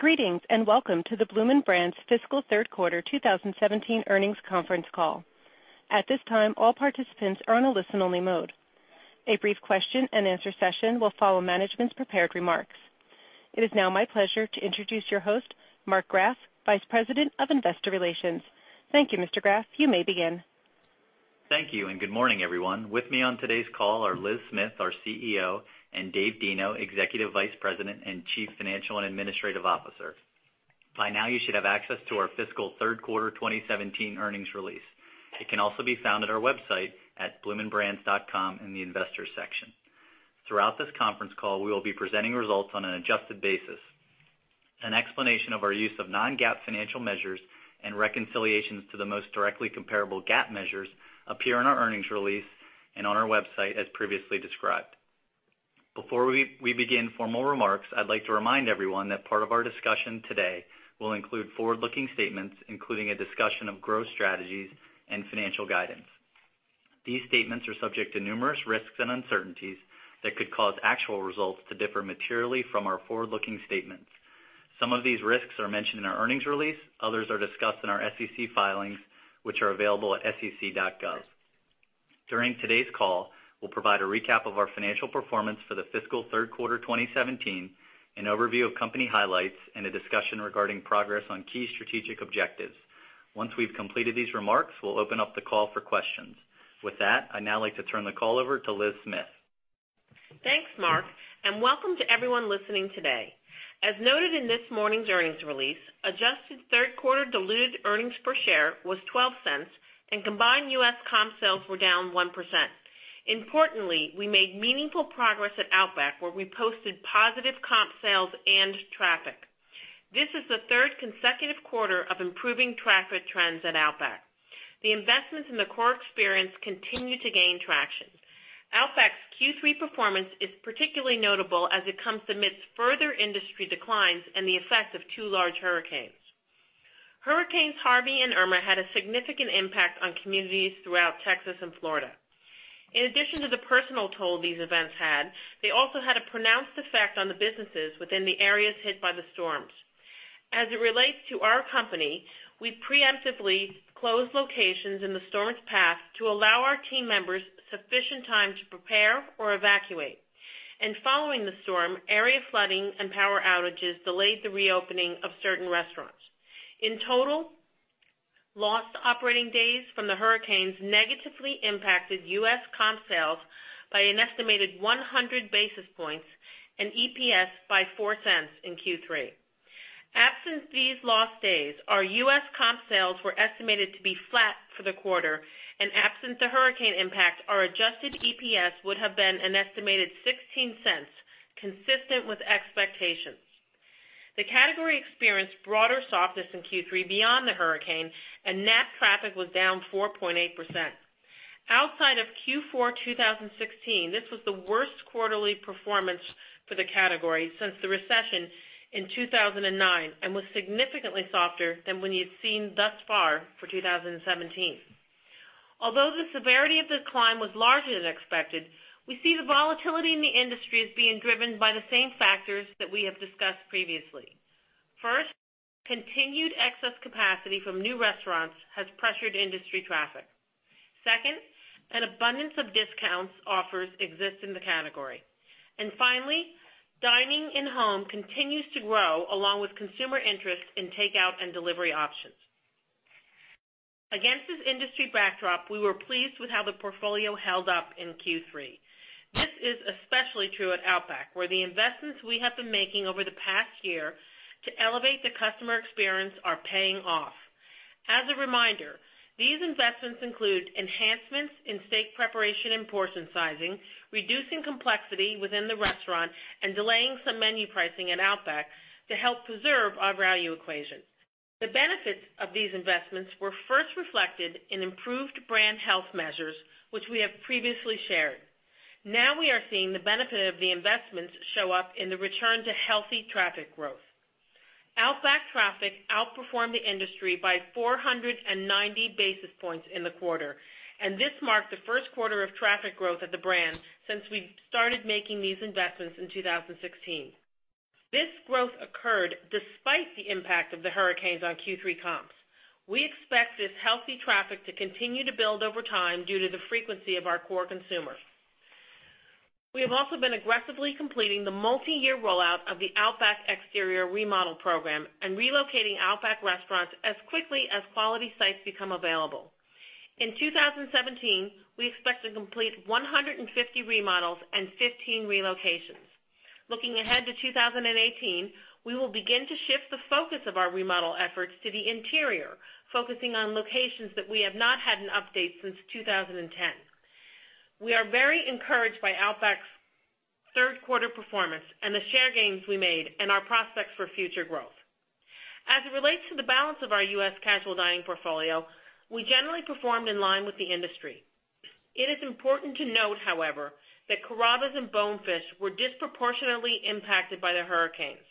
Greetings. Welcome to the Bloomin' Brands fiscal third quarter 2017 earnings conference call. At this time, all participants are on a listen only mode. A brief question and answer session will follow management's prepared remarks. It is now my pleasure to introduce your host, Mark Graff, Vice President of Investor Relations. Thank you, Mr. Graff. You may begin. Thank you. Good morning, everyone. With me on today's call are Liz Smith, our CEO, and Dave Deno, Executive Vice President and Chief Financial and Administrative Officer. By now, you should have access to our fiscal third quarter 2017 earnings release. It can also be found at our website at bloominbrands.com in the Investors section. Throughout this conference call, we will be presenting results on an adjusted basis. An explanation of our use of non-GAAP financial measures and reconciliations to the most directly comparable GAAP measures appear in our earnings release and on our website as previously described. Before we begin formal remarks, I'd like to remind everyone that part of our discussion today will include forward-looking statements, including a discussion of growth strategies and financial guidance. These statements are subject to numerous risks and uncertainties that could cause actual results to differ materially from our forward-looking statements. Some of these risks are mentioned in our earnings release, others are discussed in our SEC filings, which are available at sec.gov. During today's call, we'll provide a recap of our financial performance for the fiscal third quarter 2017, an overview of company highlights, and a discussion regarding progress on key strategic objectives. Once we've completed these remarks, we'll open up the call for questions. With that, I'd now like to turn the call over to Liz Smith. Thanks, Mark. Welcome to everyone listening today. As noted in this morning's earnings release, adjusted third quarter diluted earnings per share was $0.12, and combined U.S. comp sales were down 1%. Importantly, we made meaningful progress at Outback, where we posted positive comp sales and traffic. This is the third consecutive quarter of improving traffic trends at Outback. The investments in the core experience continue to gain traction. Outback's Q3 performance is particularly notable as it comes amidst further industry declines and the effects of two large hurricanes. Hurricanes Harvey and Irma had a significant impact on communities throughout Texas and Florida. In addition to the personal toll these events had, they also had a pronounced effect on the businesses within the areas hit by the storms. As it relates to our company, we preemptively closed locations in the storm's path to allow our team members sufficient time to prepare or evacuate. Following the storm, area flooding and power outages delayed the reopening of certain restaurants. In total, lost operating days from the hurricanes negatively impacted U.S. comp sales by an estimated 100 basis points and EPS by $0.04 in Q3. Absent these lost days, our U.S. comp sales were estimated to be flat for the quarter, and absent the hurricane impact, our adjusted EPS would have been an estimated $0.16, consistent with expectations. The category experienced broader softness in Q3 beyond the hurricane, and net traffic was down 4.8%. Outside of Q4 2016, this was the worst quarterly performance for the category since the recession in 2009 and was significantly softer than we had seen thus far for 2017. Although the severity of the decline was larger than expected, we see the volatility in the industry as being driven by the same factors that we have discussed previously. First, continued excess capacity from new restaurants has pressured industry traffic. Second, an abundance of discounts offers exist in the category. Finally, dining in-home continues to grow, along with consumer interest in takeout and delivery options. Against this industry backdrop, we were pleased with how the portfolio held up in Q3. This is especially true at Outback, where the investments we have been making over the past year to elevate the customer experience are paying off. As a reminder, these investments include enhancements in steak preparation and portion sizing, reducing complexity within the restaurant, and delaying some menu pricing at Outback to help preserve our value equation. The benefits of these investments were first reflected in improved brand health measures, which we have previously shared. Now we are seeing the benefit of the investments show up in the return to healthy traffic growth. Outback traffic outperformed the industry by 490 basis points in the quarter, and this marked the first quarter of traffic growth at the brand since we started making these investments in 2016. This growth occurred despite the impact of the hurricanes on Q3 comps. We expect this healthy traffic to continue to build over time due to the frequency of our core consumers. We have also been aggressively completing the multi-year rollout of the Outback exterior remodel program and relocating Outback restaurants as quickly as quality sites become available. In 2017, we expect to complete 150 remodels and 15 relocations. Looking ahead to 2018, we will begin to shift the focus of our remodel efforts to the interior, focusing on locations that we have not had an update since 2010. We are very encouraged by Outback's third quarter performance and the share gains we made and our prospects for future growth. As it relates to the balance of our U.S. casual dining portfolio, we generally performed in line with the industry. It is important to note, however, that Carrabba's and Bonefish were disproportionately impacted by the hurricanes.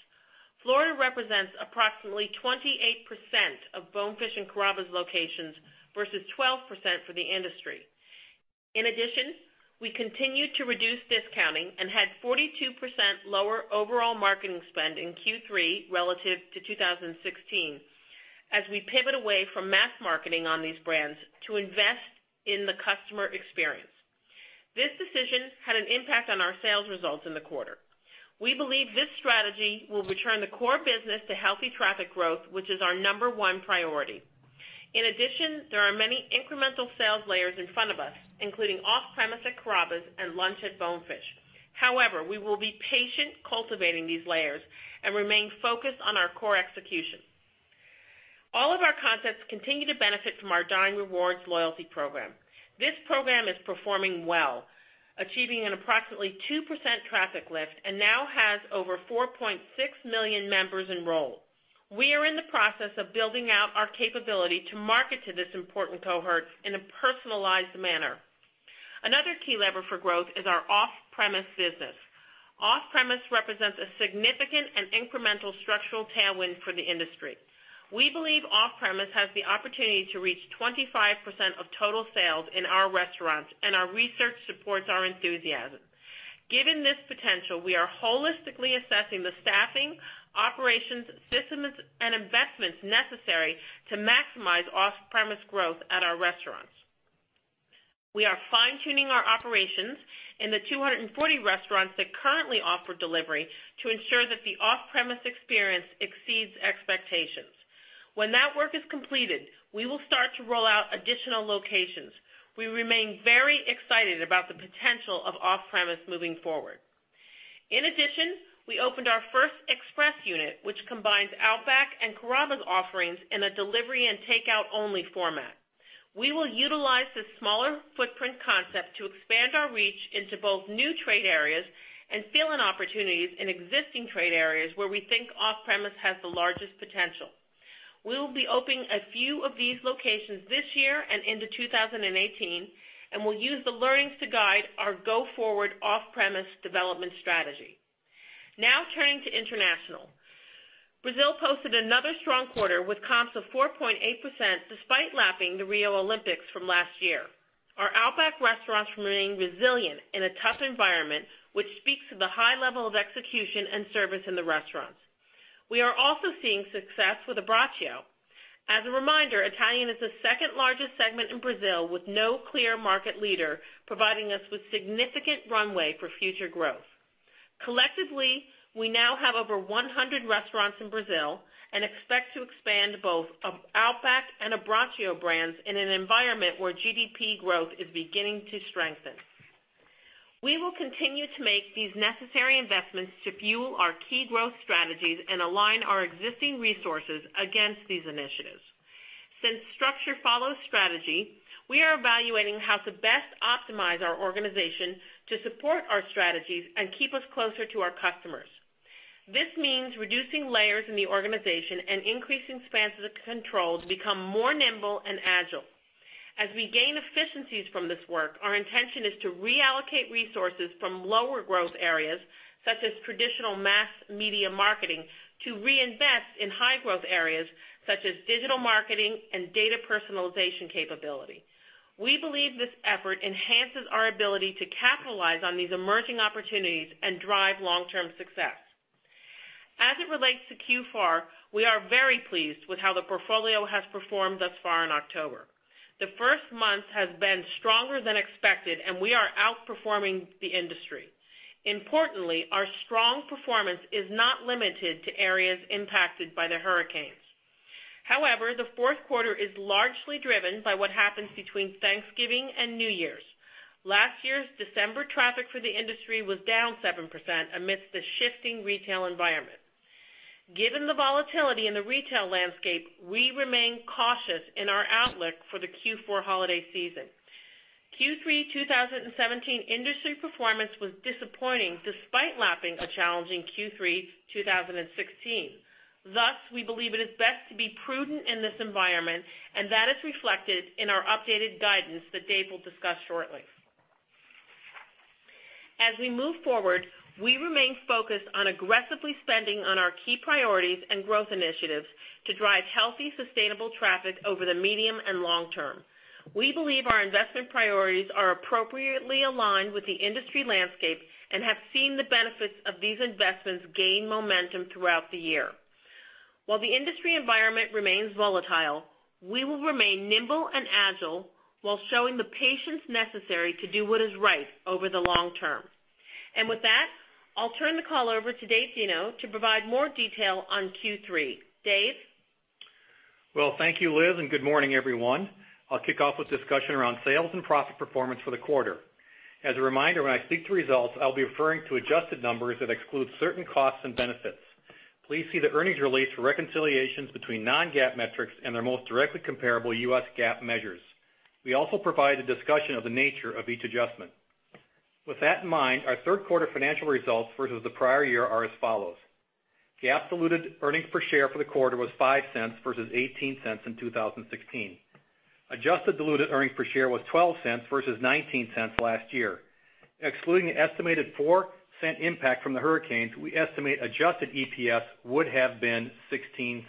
Florida represents approximately 28% of Bonefish and Carrabba's locations, versus 12% for the industry. In addition, we continued to reduce discounting and had 42% lower overall marketing spend in Q3 relative to 2016, as we pivot away from mass marketing on these brands to invest in the customer experience. This decision had an impact on our sales results in the quarter. We believe this strategy will return the core business to healthy traffic growth, which is our number one priority. In addition, there are many incremental sales layers in front of us, including off-premise at Carrabba's and lunch at Bonefish. However, we will be patient cultivating these layers and remain focused on our core execution. All of our concepts continue to benefit from our Dine Rewards loyalty program. This program is performing well, achieving an approximately 2% traffic lift and now has over 4.6 million members enrolled. We are in the process of building out our capability to market to this important cohort in a personalized manner. Another key lever for growth is our off-premise business. Off-premise represents a significant and incremental structural tailwind for the industry. We believe off-premise has the opportunity to reach 25% of total sales in our restaurants, and our research supports our enthusiasm. Given this potential, we are holistically assessing the staffing, operations, systems, and investments necessary to maximize off-premise growth at our restaurants. We are fine-tuning our operations in the 240 restaurants that currently offer delivery to ensure that the off-premise experience exceeds expectations. When that work is completed, we will start to roll out additional locations. We remain very excited about the potential of off-premise moving forward. In addition, we opened our first Express unit, which combines Outback and Carrabba's offerings in a delivery and takeout-only format. We will utilize this smaller footprint concept to expand our reach into both new trade areas and fill in opportunities in existing trade areas where we think off-premise has the largest potential. We will be opening a few of these locations this year and into 2018. We'll use the learnings to guide our go-forward off-premise development strategy. Now turning to international. Brazil posted another strong quarter with comps of 4.8%, despite lapping the Rio Olympics from last year. Our Outback restaurants remain resilient in a tough environment, which speaks to the high level of execution and service in the restaurants. We are also seeing success with Abbraccio. As a reminder, Italian is the second-largest segment in Brazil with no clear market leader, providing us with significant runway for future growth. Collectively, we now have over 100 restaurants in Brazil and expect to expand both Outback and Abbraccio brands in an environment where GDP growth is beginning to strengthen. We will continue to make these necessary investments to fuel our key growth strategies and align our existing resources against these initiatives. Since structure follows strategy, we are evaluating how to best optimize our organization to support our strategies and keep us closer to our customers. This means reducing layers in the organization and increasing spans of control to become more nimble and agile. As we gain efficiencies from this work, our intention is to reallocate resources from lower growth areas, such as traditional mass media marketing, to reinvest in high growth areas such as digital marketing and data personalization capability. We believe this effort enhances our ability to capitalize on these emerging opportunities and drive long-term success. As it relates to Q4, we are very pleased with how the portfolio has performed thus far in October. The first month has been stronger than expected. We are outperforming the industry. Importantly, our strong performance is not limited to areas impacted by the hurricanes. However, the fourth quarter is largely driven by what happens between Thanksgiving and New Year's. Last year's December traffic for the industry was down 7% amidst the shifting retail environment. Given the volatility in the retail landscape, we remain cautious in our outlook for the Q4 holiday season. Q3 2017 industry performance was disappointing despite lapping a challenging Q3 2016. Thus, we believe it is best to be prudent in this environment, and that is reflected in our updated guidance that Dave will discuss shortly. As we move forward, we remain focused on aggressively spending on our key priorities and growth initiatives to drive healthy, sustainable traffic over the medium and long term. We believe our investment priorities are appropriately aligned with the industry landscape and have seen the benefits of these investments gain momentum throughout the year. While the industry environment remains volatile, we will remain nimble and agile while showing the patience necessary to do what is right over the long term. With that, I'll turn the call over to Dave Deno to provide more detail on Q3. Dave? Well, thank you, Liz, and good morning, everyone. I'll kick off with discussion around sales and profit performance for the quarter. As a reminder, when I speak to results, I'll be referring to adjusted numbers that exclude certain costs and benefits. Please see the earnings release for reconciliations between non-GAAP metrics and their most directly comparable U.S. GAAP measures. We also provide a discussion of the nature of each adjustment. With that in mind, our third quarter financial results versus the prior year are as follows. GAAP diluted earnings per share for the quarter was $0.05 versus $0.18 in 2016. Adjusted diluted earnings per share was $0.12 versus $0.19 last year. Excluding the estimated $0.04 impact from the hurricanes, we estimate adjusted EPS would have been $0.16.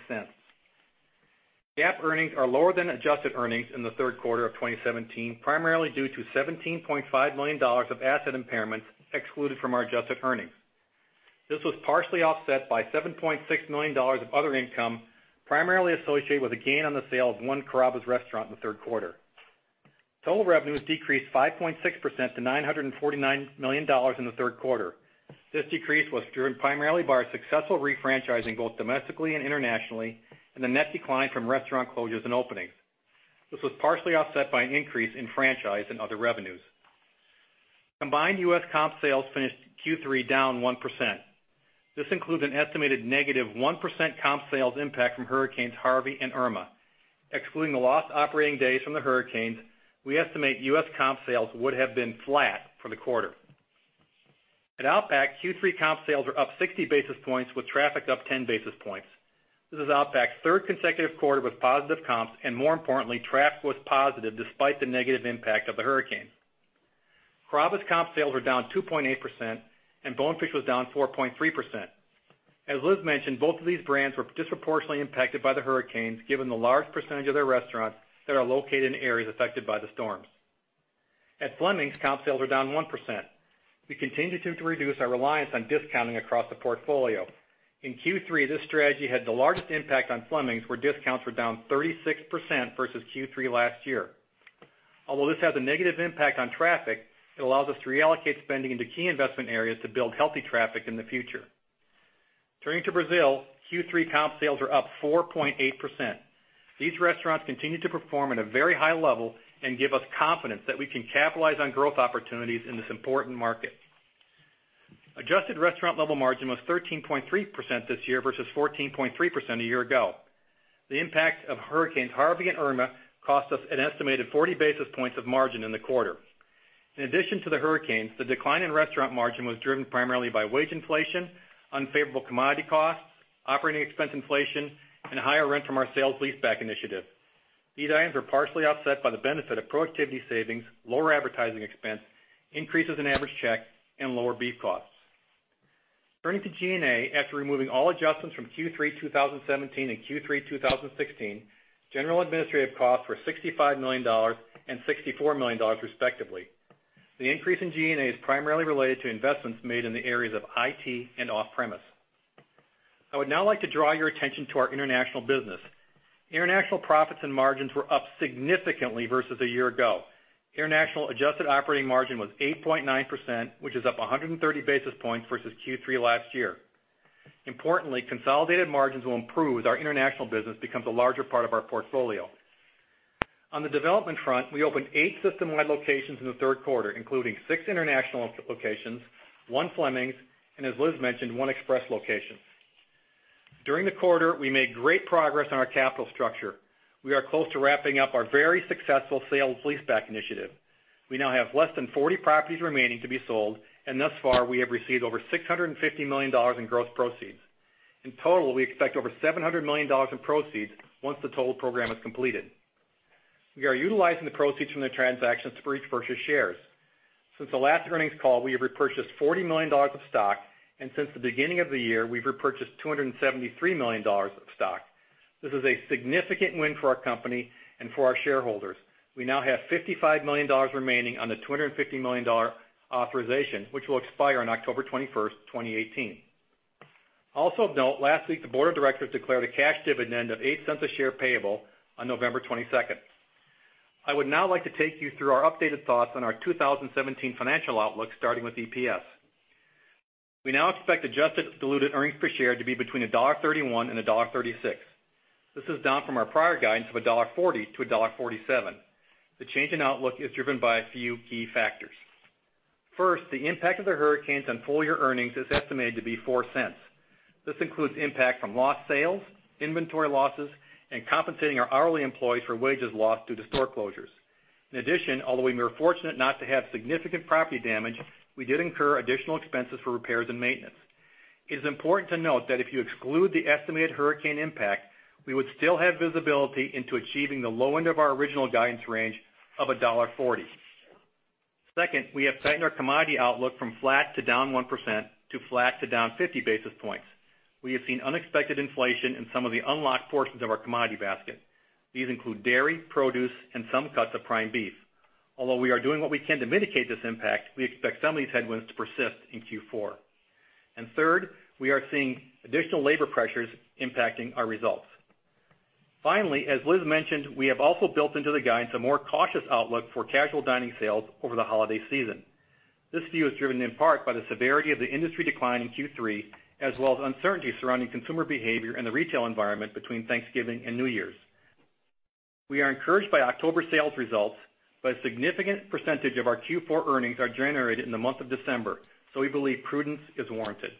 GAAP earnings are lower than adjusted earnings in the third quarter of 2017, primarily due to $17.5 million of asset impairments excluded from our adjusted earnings. This was partially offset by $7.6 million of other income, primarily associated with a gain on the sale of 1 Carrabba's restaurant in the third quarter. Total revenues decreased 5.6% to $949 million in the third quarter. This decrease was driven primarily by our successful re-franchising, both domestically and internationally, and the net decline from restaurant closures and openings. This was partially offset by an increase in franchise and other revenues. Combined U.S. comp sales finished Q3 down 1%. This includes an estimated negative 1% comp sales impact from Hurricane Harvey and Hurricane Irma. Excluding the lost operating days from the hurricanes, we estimate U.S. comp sales would have been flat for the quarter. At Outback, Q3 comp sales were up 60 basis points with traffic up 10 basis points. This is Outback's third consecutive quarter with positive comps, and more importantly, traffic was positive despite the negative impact of the hurricane. Carrabba's comp sales were down 2.8% and Bonefish was down 4.3%. As Liz mentioned, both of these brands were disproportionately impacted by the hurricanes given the large percentage of their restaurants that are located in areas affected by the storms. At Fleming's, comp sales are down 1%. We continue to reduce our reliance on discounting across the portfolio. In Q3, this strategy had the largest impact on Fleming's, where discounts were down 36% versus Q3 last year. Although this has a negative impact on traffic, it allows us to reallocate spending into key investment areas to build healthy traffic in the future. Turning to Brazil, Q3 comp sales are up 4.8%. These restaurants continue to perform at a very high level and give us confidence that we can capitalize on growth opportunities in this important market. Adjusted restaurant level margin was 13.3% this year versus 14.3% a year ago. The impact of Hurricane Harvey and Hurricane Irma cost us an estimated 40 basis points of margin in the quarter. In addition to the hurricanes, the decline in restaurant margin was driven primarily by wage inflation, unfavorable commodity costs, operating expense inflation, and higher rent from our sale-leaseback initiative. These items were partially offset by the benefit of productivity savings, lower advertising expense, increases in average check, and lower beef costs. Turning to G&A, after removing all adjustments from Q3 2017 and Q3 2016, general administrative costs were $65 million and $64 million respectively. The increase in G&A is primarily related to investments made in the areas of IT and off-premise. I would now like to draw your attention to our international business. International profits and margins were up significantly versus a year ago. International adjusted operating margin was 8.9%, which is up 130 basis points versus Q3 last year. Importantly, consolidated margins will improve as our international business becomes a larger part of our portfolio. On the development front, we opened eight system-wide locations in the third quarter, including six international locations, one Fleming's, and as Liz mentioned, one Express location. During the quarter, we made great progress on our capital structure. We are close to wrapping up our very successful sale-leaseback initiative. We now have less than 40 properties remaining to be sold, and thus far, we have received over $650 million in gross proceeds. In total, we expect over $700 million in proceeds once the total program is completed. We are utilizing the proceeds from the transactions to repurchase shares. Since the last earnings call, we have repurchased $40 million of stock, and since the beginning of the year, we've repurchased $273 million of stock. This is a significant win for our company and for our shareholders. We now have $55 million remaining on the $250 million authorization, which will expire on October 21st, 2018. Also of note, last week the board of directors declared a cash dividend of $0.08 a share payable on November 22nd. I would now like to take you through our updated thoughts on our 2017 financial outlook, starting with EPS. We now expect adjusted diluted earnings per share to be between $1.31 and $1.36. This is down from our prior guidance of $1.40 to $1.47. The change in outlook is driven by a few key factors. First, the impact of the hurricanes on full-year earnings is estimated to be $0.04. This includes impact from lost sales, inventory losses, and compensating our hourly employees for wages lost due to store closures. In addition, although we were fortunate not to have significant property damage, we did incur additional expenses for repairs and maintenance. It is important to note that if you exclude the estimated hurricane impact, we would still have visibility into achieving the low end of our original guidance range of $1.40. Second, we have tightened our commodity outlook from flat to down 1%, to flat to down 50 basis points. We have seen unexpected inflation in some of the unlocked portions of our commodity basket. These include dairy, produce, and some cuts of prime beef. Although we are doing what we can to mitigate this impact, we expect some of these headwinds to persist in Q4. Third, we are seeing additional labor pressures impacting our results. Finally, as Liz mentioned, we have also built into the guidance a more cautious outlook for casual dining sales over the holiday season. This view is driven in part by the severity of the industry decline in Q3, as well as uncertainty surrounding consumer behavior and the retail environment between Thanksgiving and New Year's. We are encouraged by October sales results. A significant percentage of our Q4 earnings are generated in the month of December. We believe prudence is warranted.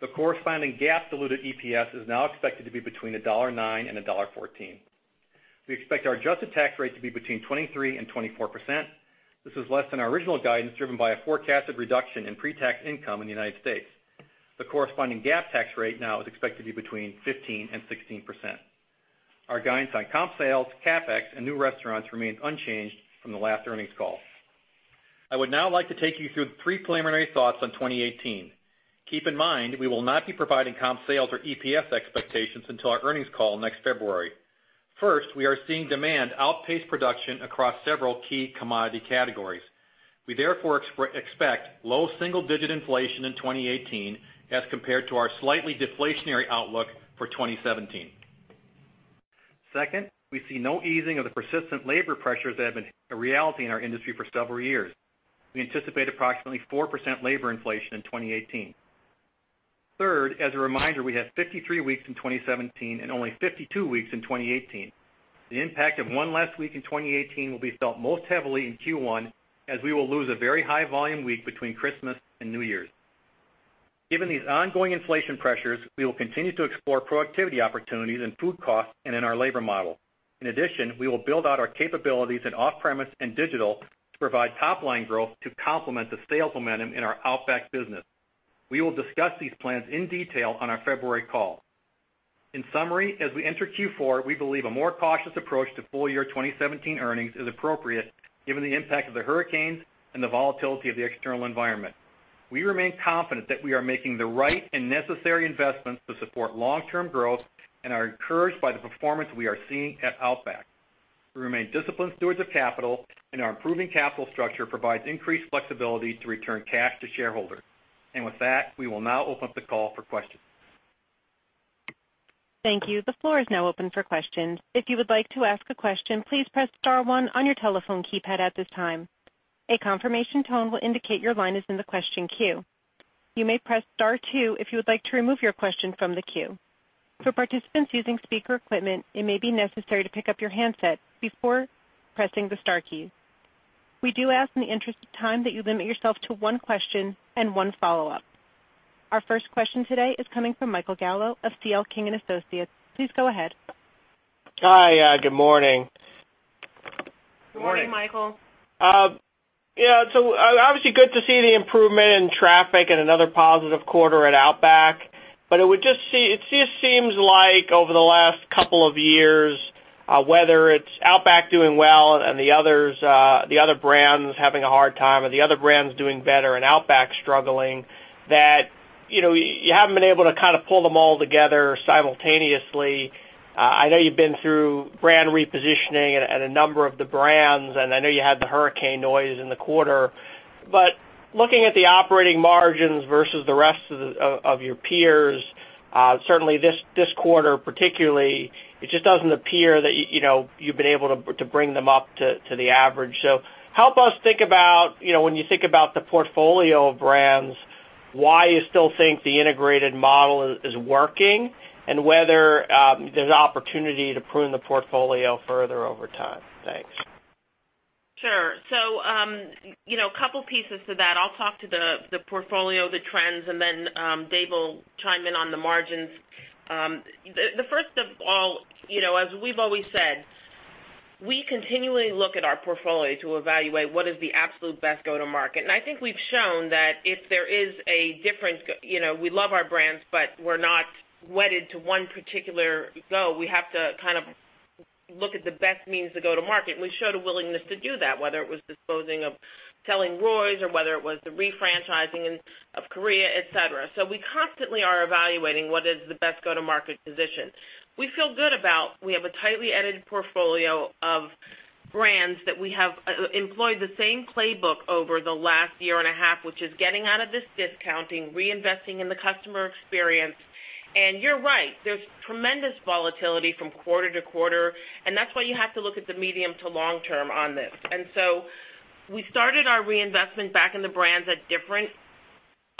The corresponding GAAP diluted EPS is now expected to be between $1.09 and $1.14. We expect our adjusted tax rate to be between 23%-24%. This is less than our original guidance, driven by a forecasted reduction in pre-tax income in the U.S. The corresponding GAAP tax rate now is expected to be between 15%-16%. Our guidance on comp sales, CapEx, and new restaurants remains unchanged from the last earnings call. I would now like to take you through the preliminary thoughts on 2018. Keep in mind, we will not be providing comp sales or EPS expectations until our earnings call next February. First, we are seeing demand outpace production across several key commodity categories. We therefore expect low single-digit inflation in 2018 as compared to our slightly deflationary outlook for 2017. Second, we see no easing of the persistent labor pressures that have been a reality in our industry for several years. We anticipate approximately 4% labor inflation in 2018. Third, as a reminder, we have 53 weeks in 2017 and only 52 weeks in 2018. The impact of one less week in 2018 will be felt most heavily in Q1, as we will lose a very high volume week between Christmas and New Year's. Given these ongoing inflation pressures, we will continue to explore productivity opportunities in food cost and in our labor model. In addition, we will build out our capabilities in off-premise and digital to provide top-line growth to complement the sales momentum in our Outback business. We will discuss these plans in detail on our February call. In summary, as we enter Q4, we believe a more cautious approach to full year 2017 earnings is appropriate, given the impact of the hurricanes and the volatility of the external environment. We remain confident that we are making the right and necessary investments to support long-term growth and are encouraged by the performance we are seeing at Outback. We remain disciplined stewards of capital, our improving capital structure provides increased flexibility to return cash to shareholders. With that, we will now open up the call for questions. Thank you. The floor is now open for questions. If you would like to ask a question, please press star one on your telephone keypad at this time. A confirmation tone will indicate your line is in the question queue. You may press star two if you would like to remove your question from the queue. For participants using speaker equipment, it may be necessary to pick up your handset before pressing the star key. We do ask in the interest of time that you limit yourself to one question and one follow-up. Our first question today is coming from Michael Gallo of C.L. King & Associates. Please go ahead. Hi. Good morning. Good morning. Good morning, Michael. Obviously, good to see the improvement in traffic and another positive quarter at Outback. It just seems like over the last couple of years, whether it's Outback doing well and the other brands having a hard time, or the other brands doing better and Outback struggling, that you haven't been able to kind of pull them all together simultaneously. I know you've been through brand repositioning at a number of the brands, and I know you had the hurricane noise in the quarter. Looking at the operating margins versus the rest of your peers, certainly this quarter particularly, it just doesn't appear that you've been able to bring them up to the average. Help us think about when you think about the portfolio of brands, why you still think the integrated model is working and whether there's opportunity to prune the portfolio further over time. Thanks. Sure. A couple pieces to that. I'll talk to the portfolio, the trends, and then Dave will chime in on the margins. First of all, as we've always said, we continually look at our portfolio to evaluate what is the absolute best go-to-market. I think we've shown that if there is a difference, we love our brands, but we're not wedded to one particular go. We have to kind of look at the best means to go to market, and we showed a willingness to do that, whether it was disposing of selling Roy's or whether it was the refranchising of Korea, et cetera. We constantly are evaluating what is the best go-to-market position. We feel good about, we have a tightly edited portfolio of brands that we have employed the same playbook over the last year and a half, which is getting out of this discounting, reinvesting in the customer experience. You're right. There's tremendous volatility from quarter to quarter, and that's why you have to look at the medium to long term on this. We started our reinvestment back in the brands at different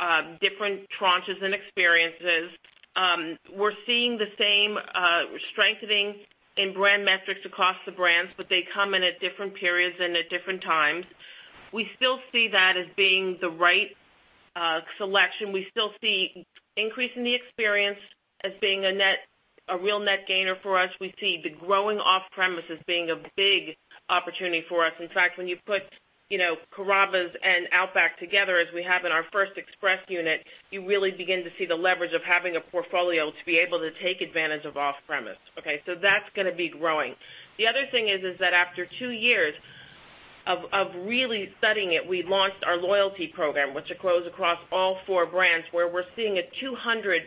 tranches and experiences. We're seeing the same strengthening in brand metrics across the brands, but they come in at different periods and at different times. We still see that as being the right selection. We still see increase in the experience as being a real net gainer for us. We see the growing off-premise as being a big opportunity for us. In fact, when you put Carrabba's and Outback together as we have in our first express unit, you really begin to see the leverage of having a portfolio to be able to take advantage of off-premise. That's going to be growing. The other thing is that after 2 years of really studying it, we launched our loyalty program, which grows across all 4 brands, where we're seeing a 200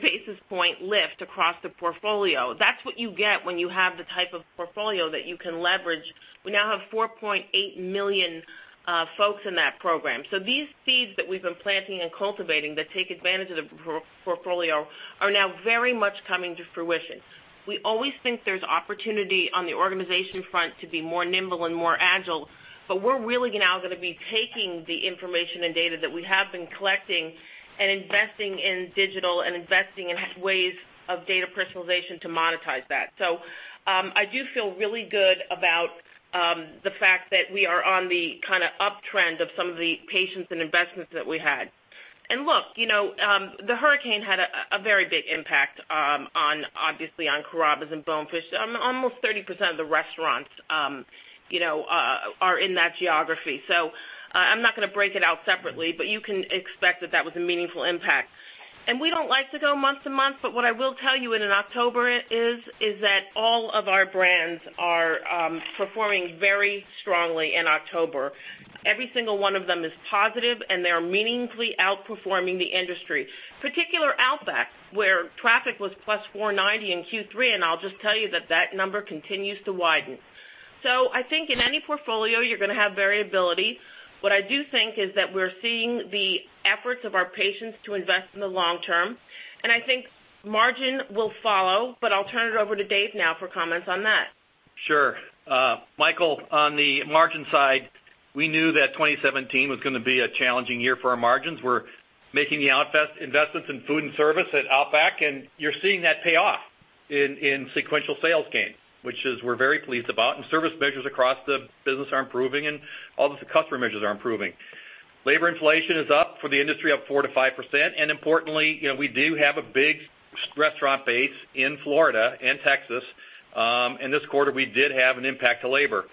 basis point lift across the portfolio. That's what you get when you have the type of portfolio that you can leverage. We now have 4.8 million folks in that program. These seeds that we've been planting and cultivating that take advantage of the portfolio are now very much coming to fruition. We always think there's opportunity on the organization front to be more nimble and more agile. We're really now going to be taking the information and data that we have been collecting and investing in digital and investing in ways of data personalization to monetize that. I do feel really good about the fact that we are on the kind of uptrend of some of the patience and investments that we had. Look, the Hurricane had a very big impact obviously on Carrabba's and Bonefish. Almost 30% of the restaurants are in that geography. I'm not going to break it out separately, but you can expect that that was a meaningful impact. We don't like to go month to month. What I will tell you in October is that all of our brands are performing very strongly in October. Every single one of them is positive. They are meaningfully outperforming the industry. Particular Outback, where traffic was +490 in Q3. I'll just tell you that that number continues to widen. I think in any portfolio, you're going to have variability. What I do think is that we're seeing the efforts of our patience to invest in the long term. I think margin will follow, I'll turn it over to Dave now for comments on that. Sure. Michael, on the margin side, we knew that 2017 was going to be a challenging year for our margins. We're making the investments in food and service at Outback. You're seeing that pay off in sequential sales gain, which is we're very pleased about. Service measures across the business are improving. All the customer measures are improving. Labor inflation is up for the industry of 4%-5%. Importantly, we do have a big restaurant base in Florida and Texas. In this quarter, we did have an impact to labor.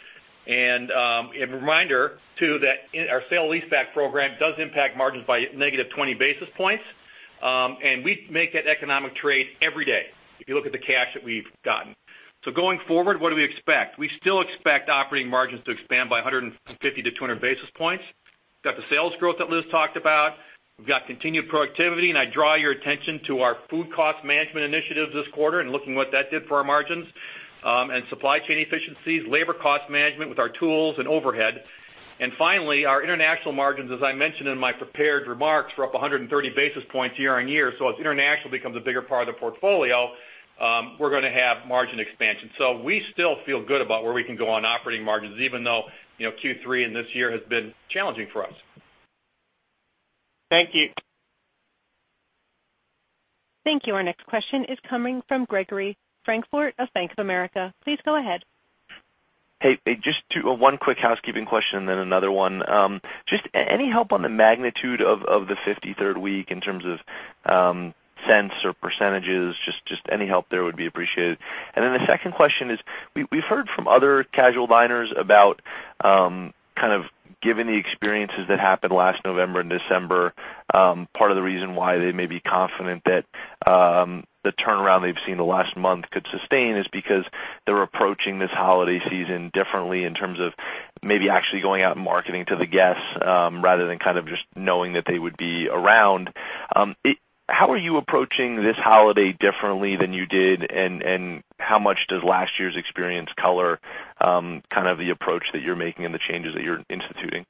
A reminder, too, that our sale-leaseback program does impact margins by negative 20 basis points. We make that economic trade every day if you look at the cash that we've gotten. Going forward, what do we expect? We still expect operating margins to expand by 150 to 200 basis points. We've got the sales growth that Liz talked about. We've got continued productivity, I draw your attention to our food cost management initiatives this quarter and looking at what that did for our margins, supply chain efficiencies, labor cost management with our tools and overhead. Finally, our international margins, as I mentioned in my prepared remarks, were up 130 basis points year-over-year. As international becomes a bigger part of the portfolio, we're going to have margin expansion. We still feel good about where we can go on operating margins, even though Q3 and this year has been challenging for us. Thank you. Thank you. Our next question is coming from Gregory Francfort of Bank of America. Please go ahead. Hey. One quick housekeeping question then another one. Any help on the magnitude of the 53rd week in terms of cents or percentages, any help there would be appreciated. Then the second question is, we've heard from other casual diners about kind of given the experiences that happened last November and December, part of the reason why they may be confident that the turnaround they've seen in the last month could sustain is because they're approaching this holiday season differently in terms of maybe actually going out and marketing to the guests, rather than kind of just knowing that they would be around. How are you approaching this holiday differently than you did, and how much does last year's experience color kind of the approach that you're making and the changes that you're instituting?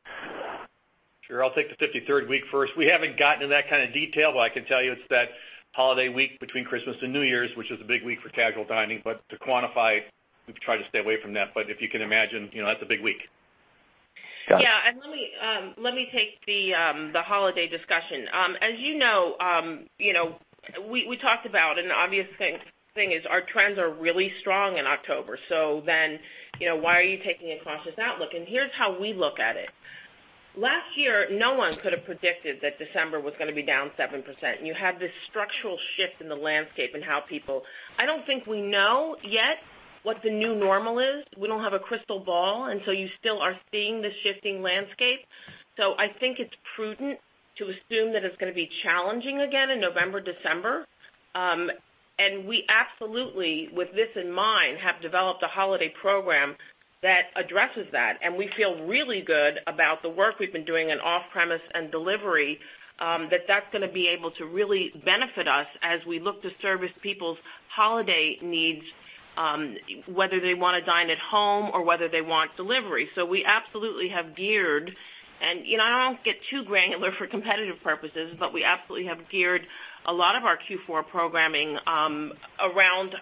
Sure. I'll take the 53rd week first. We haven't gotten to that kind of detail, but I can tell you it's that holiday week between Christmas and New Year's, which is a big week for casual dining. To quantify, we've tried to stay away from that. If you can imagine, that's a big week. Yeah. Let me take the holiday discussion. As you know, we talked about an obvious thing is our trends are really strong in October. Why are you taking a cautious outlook? Here's how we look at it. Last year, no one could have predicted that December was going to be down 7%. You have this structural shift in the landscape. I don't think we know yet what the new normal is. We don't have a crystal ball, you still are seeing this shifting landscape. I think it's prudent to assume that it's going to be challenging again in November, December. We absolutely, with this in mind, have developed a holiday program that addresses that. We feel really good about the work we've been doing in off-premise and delivery, that that's going to be able to really benefit us as we look to service people's holiday needs, whether they want to dine at home or whether they want delivery. We absolutely have geared, and I don't get too granular for competitive purposes, but we absolutely have geared a lot of our Q4 programming around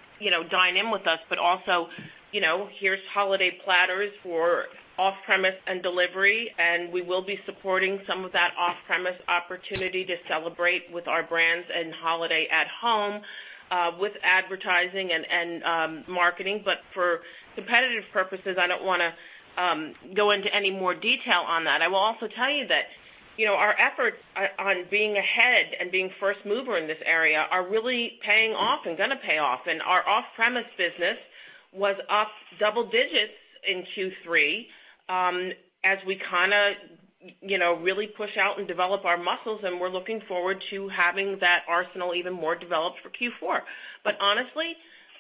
dine in with us, but also, here's holiday platters for off-premise and delivery, we will be supporting some of that off-premise opportunity to celebrate with our brands and holiday at home with advertising and marketing. For competitive purposes, I don't want to go into any more detail on that. I will also tell you that our efforts on being ahead and being first mover in this area are really paying off and going to pay off, our off-premise business was up double digits in Q3 as we kind of really push out and develop our muscles, we're looking forward to having that arsenal even more developed for Q4. Honestly,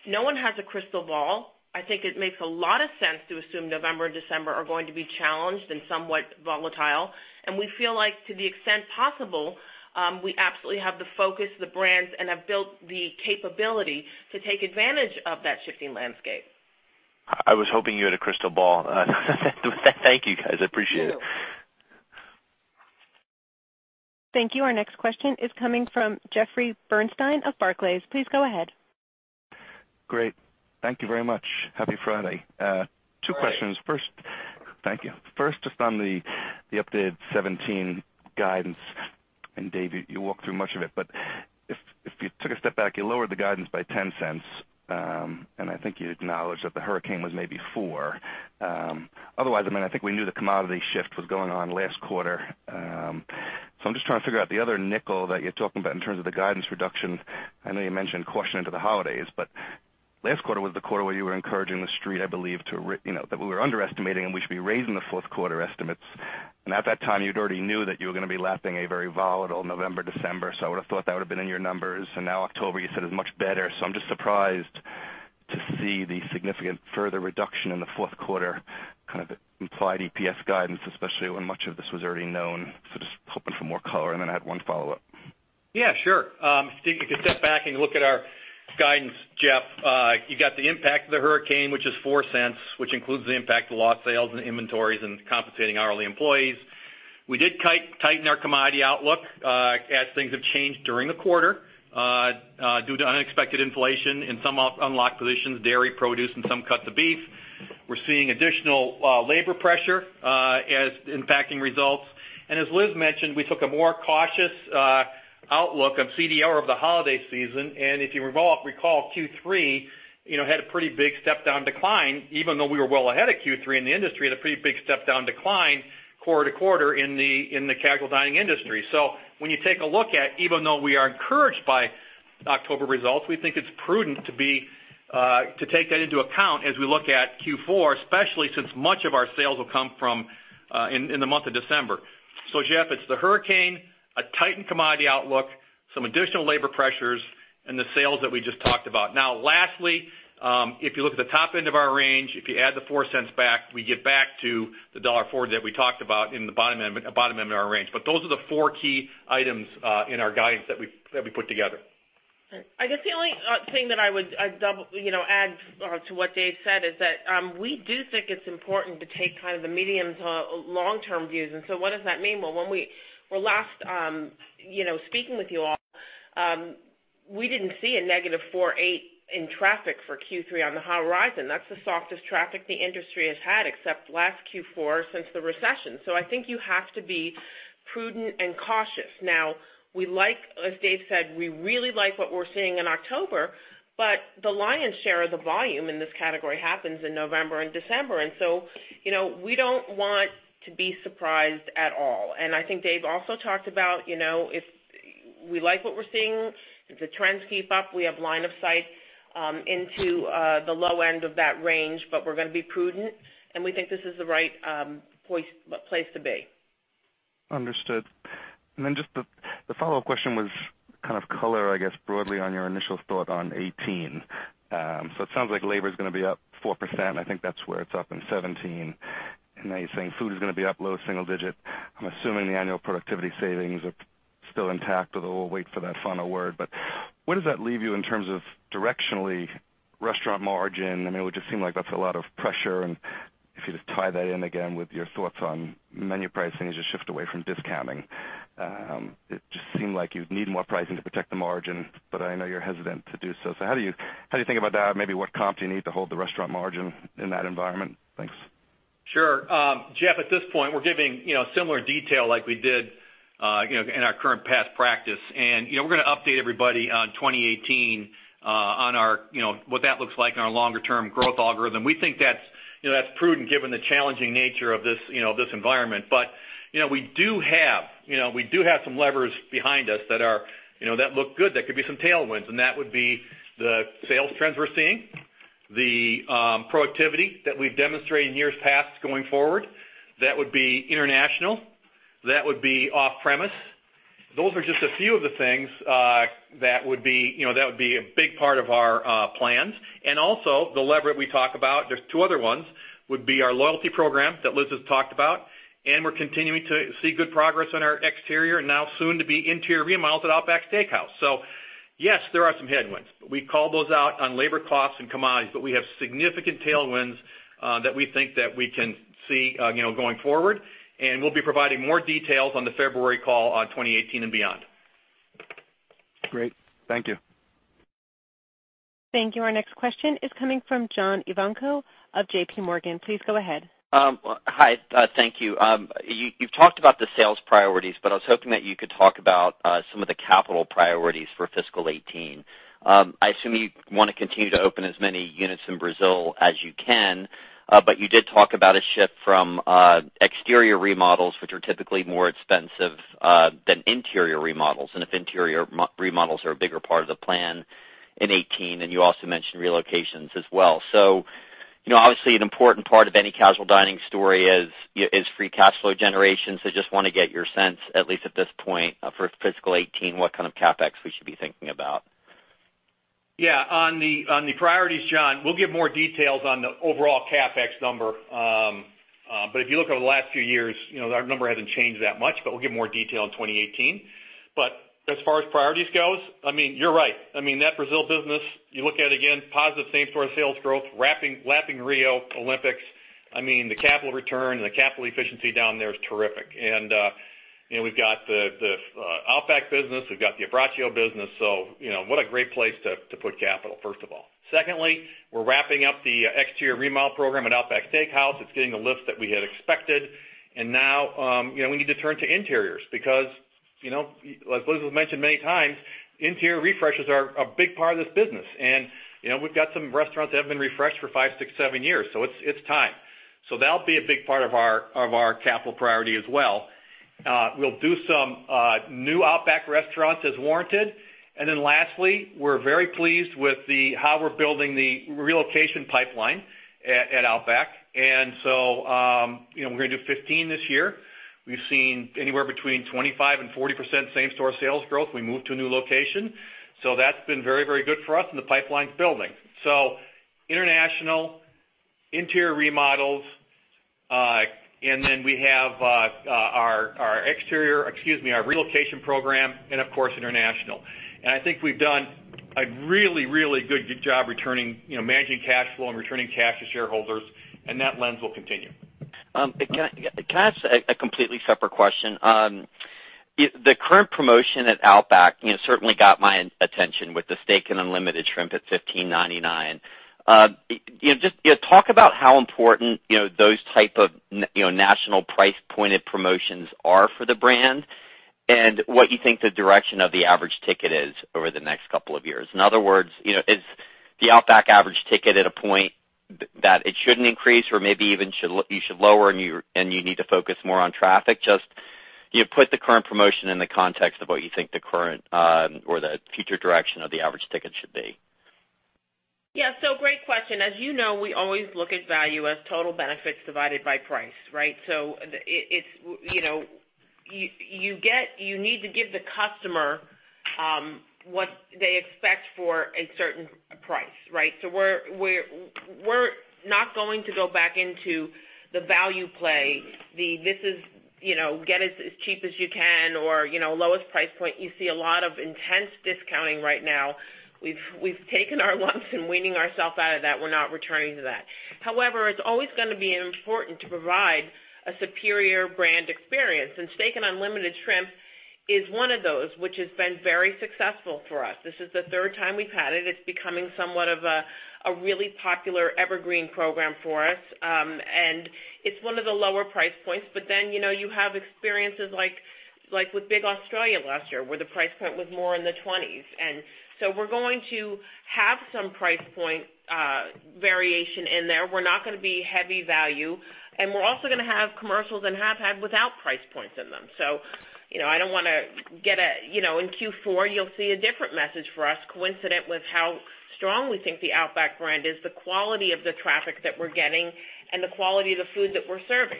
no one has a crystal ball. I think it makes a lot of sense to assume November and December are going to be challenged and somewhat volatile, we feel like to the extent possible, we absolutely have the focus, the brands, and have built the capability to take advantage of that shifting landscape. I was hoping you had a crystal ball. Thank you, guys. I appreciate it. You. Thank you. Our next question is coming from Jeffrey Bernstein of Barclays. Please go ahead. Great. Thank you very much. Happy Friday. Hi. Two questions. Thank you. First, just on the updated 2017 guidance, and Dave, you walked through much of it, but if you took a step back, you lowered the guidance by $0.10, and I think you acknowledged that the Hurricane was maybe $0.04. I'm just trying to figure out the other $0.05 that you're talking about in terms of the guidance reduction. I know you mentioned caution into the holidays, but last quarter was the quarter where you were encouraging the Street, I believe, that we were underestimating and we should be raising the fourth quarter estimates. At that time, you'd already knew that you were going to be lapping a very volatile November, December. I would've thought that would've been in your numbers. Now October you said is much better. I'm just surprised to see the significant further reduction in the fourth quarter kind of implied EPS guidance, especially when much of this was already known. Just hoping for more color, and then I had one follow-up. Yeah, sure. If you step back and look at our guidance, Jeff, you got the impact of the hurricane, which is $0.04, which includes the impact of lost sales and inventories and compensating hourly employees. We did tighten our commodity outlook, as things have changed during the quarter, due to unexpected inflation in some unlocked positions, dairy, produce, and some cuts of beef. We're seeing additional labor pressure as impacting results. As Liz mentioned, we took a more cautious outlook on CDR of the holiday season. If you recall, Q3 had a pretty big step down decline, even though we were well ahead of Q3 in the industry, had a pretty big step down decline quarter-to-quarter in the casual dining industry. When you take a look at, even though we are encouraged by October results, we think it's prudent to take that into account as we look at Q4, especially since much of our sales will come in the month of December. Jeff, it's the hurricane, a tightened commodity outlook, some additional labor pressures, and the sales that we just talked about. Now lastly, if you look at the top end of our range, if you add the $0.04 back, we get back to the $1.04 that we talked about in the bottom end of our range. Those are the four key items in our guidance that we put together. I guess the only thing that I would add to what Dave said is that we do think it's important to take kind of the medium to long-term views. What does that mean? Well, when we were last speaking with you all, we didn't see a negative 4.8% in traffic for Q3 on the horizon. That's the softest traffic the industry has had, except last Q4 since the recession. I think you have to be prudent and cautious. Now, as Dave said, we really like what we're seeing in October, but the lion's share of the volume in this category happens in November and December. We don't want to be surprised at all. I think Dave also talked about if we like what we're seeing, if the trends keep up, we have line of sight into the low end of that range, but we're going to be prudent, and we think this is the right place to be. Understood. Just the follow-up question was kind of color, I guess, broadly on your initial thought on 2018. It sounds like labor's going to be up 4%, and I think that's where it's up in 2017. Now you're saying food is going to be up low single digit. I'm assuming the annual productivity savings are still intact, although we'll wait for that final word. Where does that leave you in terms of directionally restaurant margin? It would just seem like that's a lot of pressure, and if you just tie that in again with your thoughts on menu pricing as you shift away from discounting. It just seemed like you'd need more pricing to protect the margin, but I know you're hesitant to do so. How do you think about that? Maybe what comp do you need to hold the restaurant margin in that environment? Thanks. Sure. Jeff, at this point, we're giving similar detail like we did in our current path practice. We're going to update everybody on 2018 on what that looks like in our longer term growth algorithm. We think that's prudent given the challenging nature of this environment. We do have some levers behind us that look good, that could be some tailwinds, and that would be the sales trends we're seeing, the productivity that we've demonstrated in years past going forward. That would be international. That would be off-premise. Those are just a few of the things that would be a big part of our plans. Also the lever that we talk about, there's two other ones, would be our loyalty program that Liz has talked about, and we're continuing to see good progress on our exterior and now soon to be interior remodels at Outback Steakhouse. Yes, there are some headwinds. We called those out on labor costs and commodities, but we have significant tailwinds that we think that we can see going forward, and we'll be providing more details on the February call on 2018 and beyond. Great. Thank you. Thank you. Our next question is coming from John Ivankoe of JPMorgan. Please go ahead. Hi. Thank you. You've talked about the sales priorities, I was hoping that you could talk about some of the capital priorities for fiscal 2018. I assume you want to continue to open as many units in Brazil as you can. You did talk about a shift from exterior remodels, which are typically more expensive than interior remodels, and if interior remodels are a bigger part of the plan in 2018. And you also mentioned relocations as well. Obviously, an important part of any Casual Dining story is free cash flow generation. Just want to get your sense, at least at this point for fiscal 2018, what kind of CapEx we should be thinking about. Yeah. On the priorities, John, we'll give more details on the overall CapEx number. If you look over the last few years, our number hasn't changed that much, but we'll give more detail in 2018. As far as priorities goes, you're right. That Brazil business, you look at it again, positive same-store sales growth, lapping Rio Olympics. The capital return and the capital efficiency down there is terrific. We've got the Outback business, we've got the Abbraccio business, so what a great place to put capital, first of all. Secondly, we're wrapping up the exterior remodel program at Outback Steakhouse. It's getting the lift that we had expected. Now we need to turn to interiors because, as Liz has mentioned many times, interior refreshes are a big part of this business. We've got some restaurants that haven't been refreshed for five, six, seven years, so it's time. That'll be a big part of our capital priority as well. We'll do some new Outback restaurants as warranted. Lastly, we're very pleased with how we're building the relocation pipeline at Outback. We're going to do 15 this year. We've seen anywhere between 25% and 40% same-store sales growth, we moved to a new location. That's been very good for us and the pipeline's building. International, interior remodels, and then we have our exterior, excuse me, our relocation program, and of course, international. I think we've done a really good job managing cash flow and returning cash to shareholders, and that lens will continue. Can I ask a completely separate question? The current promotion at Outback certainly got my attention with the steak and unlimited shrimp at $15.99. Just talk about how important those type of national price pointed promotions are for the brand, and what you think the direction of the average ticket is over the next couple of years. In other words, is the Outback average ticket at a point that it shouldn't increase or maybe even you should lower and you need to focus more on traffic? Just put the current promotion in the context of what you think the current or the future direction of the average ticket should be. Yeah. Great question. As you know, we always look at value as total benefits divided by price, right? You need to give the customer what they expect for a certain price, right? We're not going to go back into the value play. The, "Get it as cheap as you can," or lowest price point. You see a lot of intense discounting right now. We've taken our lumps and weaning ourself out of that. We're not returning to that. However, it's always going to be important to provide a superior brand experience, and steak and unlimited shrimp is one of those, which has been very successful for us. This is the third time we've had it. It's becoming somewhat of a really popular evergreen program for us. It's one of the lower price points. You have experiences like with Big Australia last year, where the price point was more in the 20s. We're going to have some price point variation in there. We're not going to be heavy value. We're also going to have commercials and have had without price points in them. In Q4, you'll see a different message for us coincident with how strong we think the Outback brand is, the quality of the traffic that we're getting, and the quality of the food that we're serving.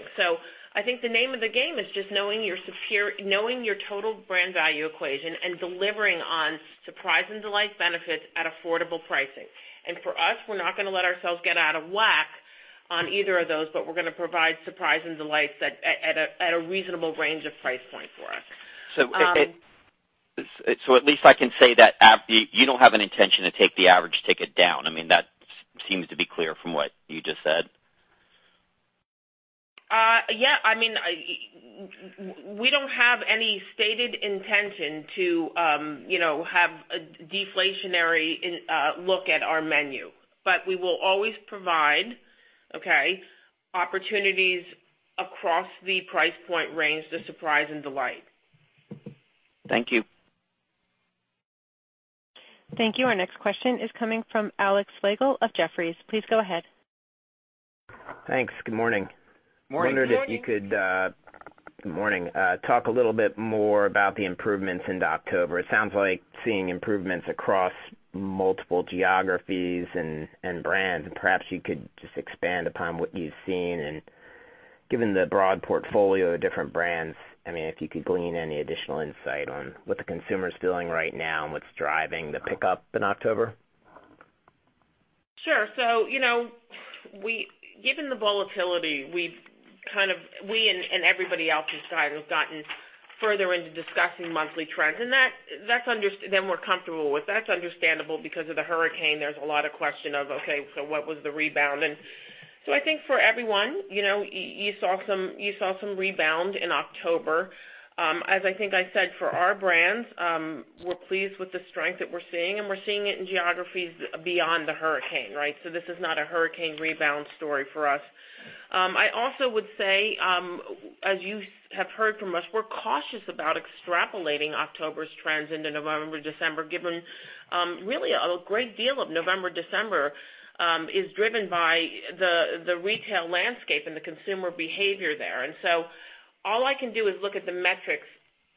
I think the name of the game is just knowing your total brand value equation and delivering on surprise and delight benefits at affordable pricing. For us, we're not going to let ourselves get out of whack on either of those, but we're going to provide surprise and delights at a reasonable range of price point for us. At least I can say that you don't have an intention to take the average ticket down. That seems to be clear from what you just said. Yeah. We don't have any stated intention to have a deflationary look at our menu. We will always provide, okay, opportunities across the price point range to surprise and delight. Thank you. Thank you. Our next question is coming from Alexander Slagle of Jefferies. Please go ahead. Thanks. Good morning. Morning. Morning. Wondered if you could talk a little bit more about the improvements into October. It sounds like seeing improvements across multiple geographies and brands, and perhaps you could just expand upon what you've seen and given the broad portfolio of different brands, if you could glean any additional insight on what the consumer's doing right now and what's driving the pickup in October. Sure. Given the volatility, we and everybody else inside have gotten further into discussing monthly trends. That we're comfortable with. That's understandable because of the hurricane. There's a lot of question of, okay, so what was the rebound? I think for everyone, you saw some rebound in October. As I think I said, for our brands, we're pleased with the strength that we're seeing, and we're seeing it in geographies beyond the hurricane, right? This is not a hurricane rebound story for us. I also would say, as you have heard from us, we're cautious about extrapolating October's trends into November, December, given really a great deal of November, December is driven by the retail landscape and the consumer behavior there. All I can do is look at the metrics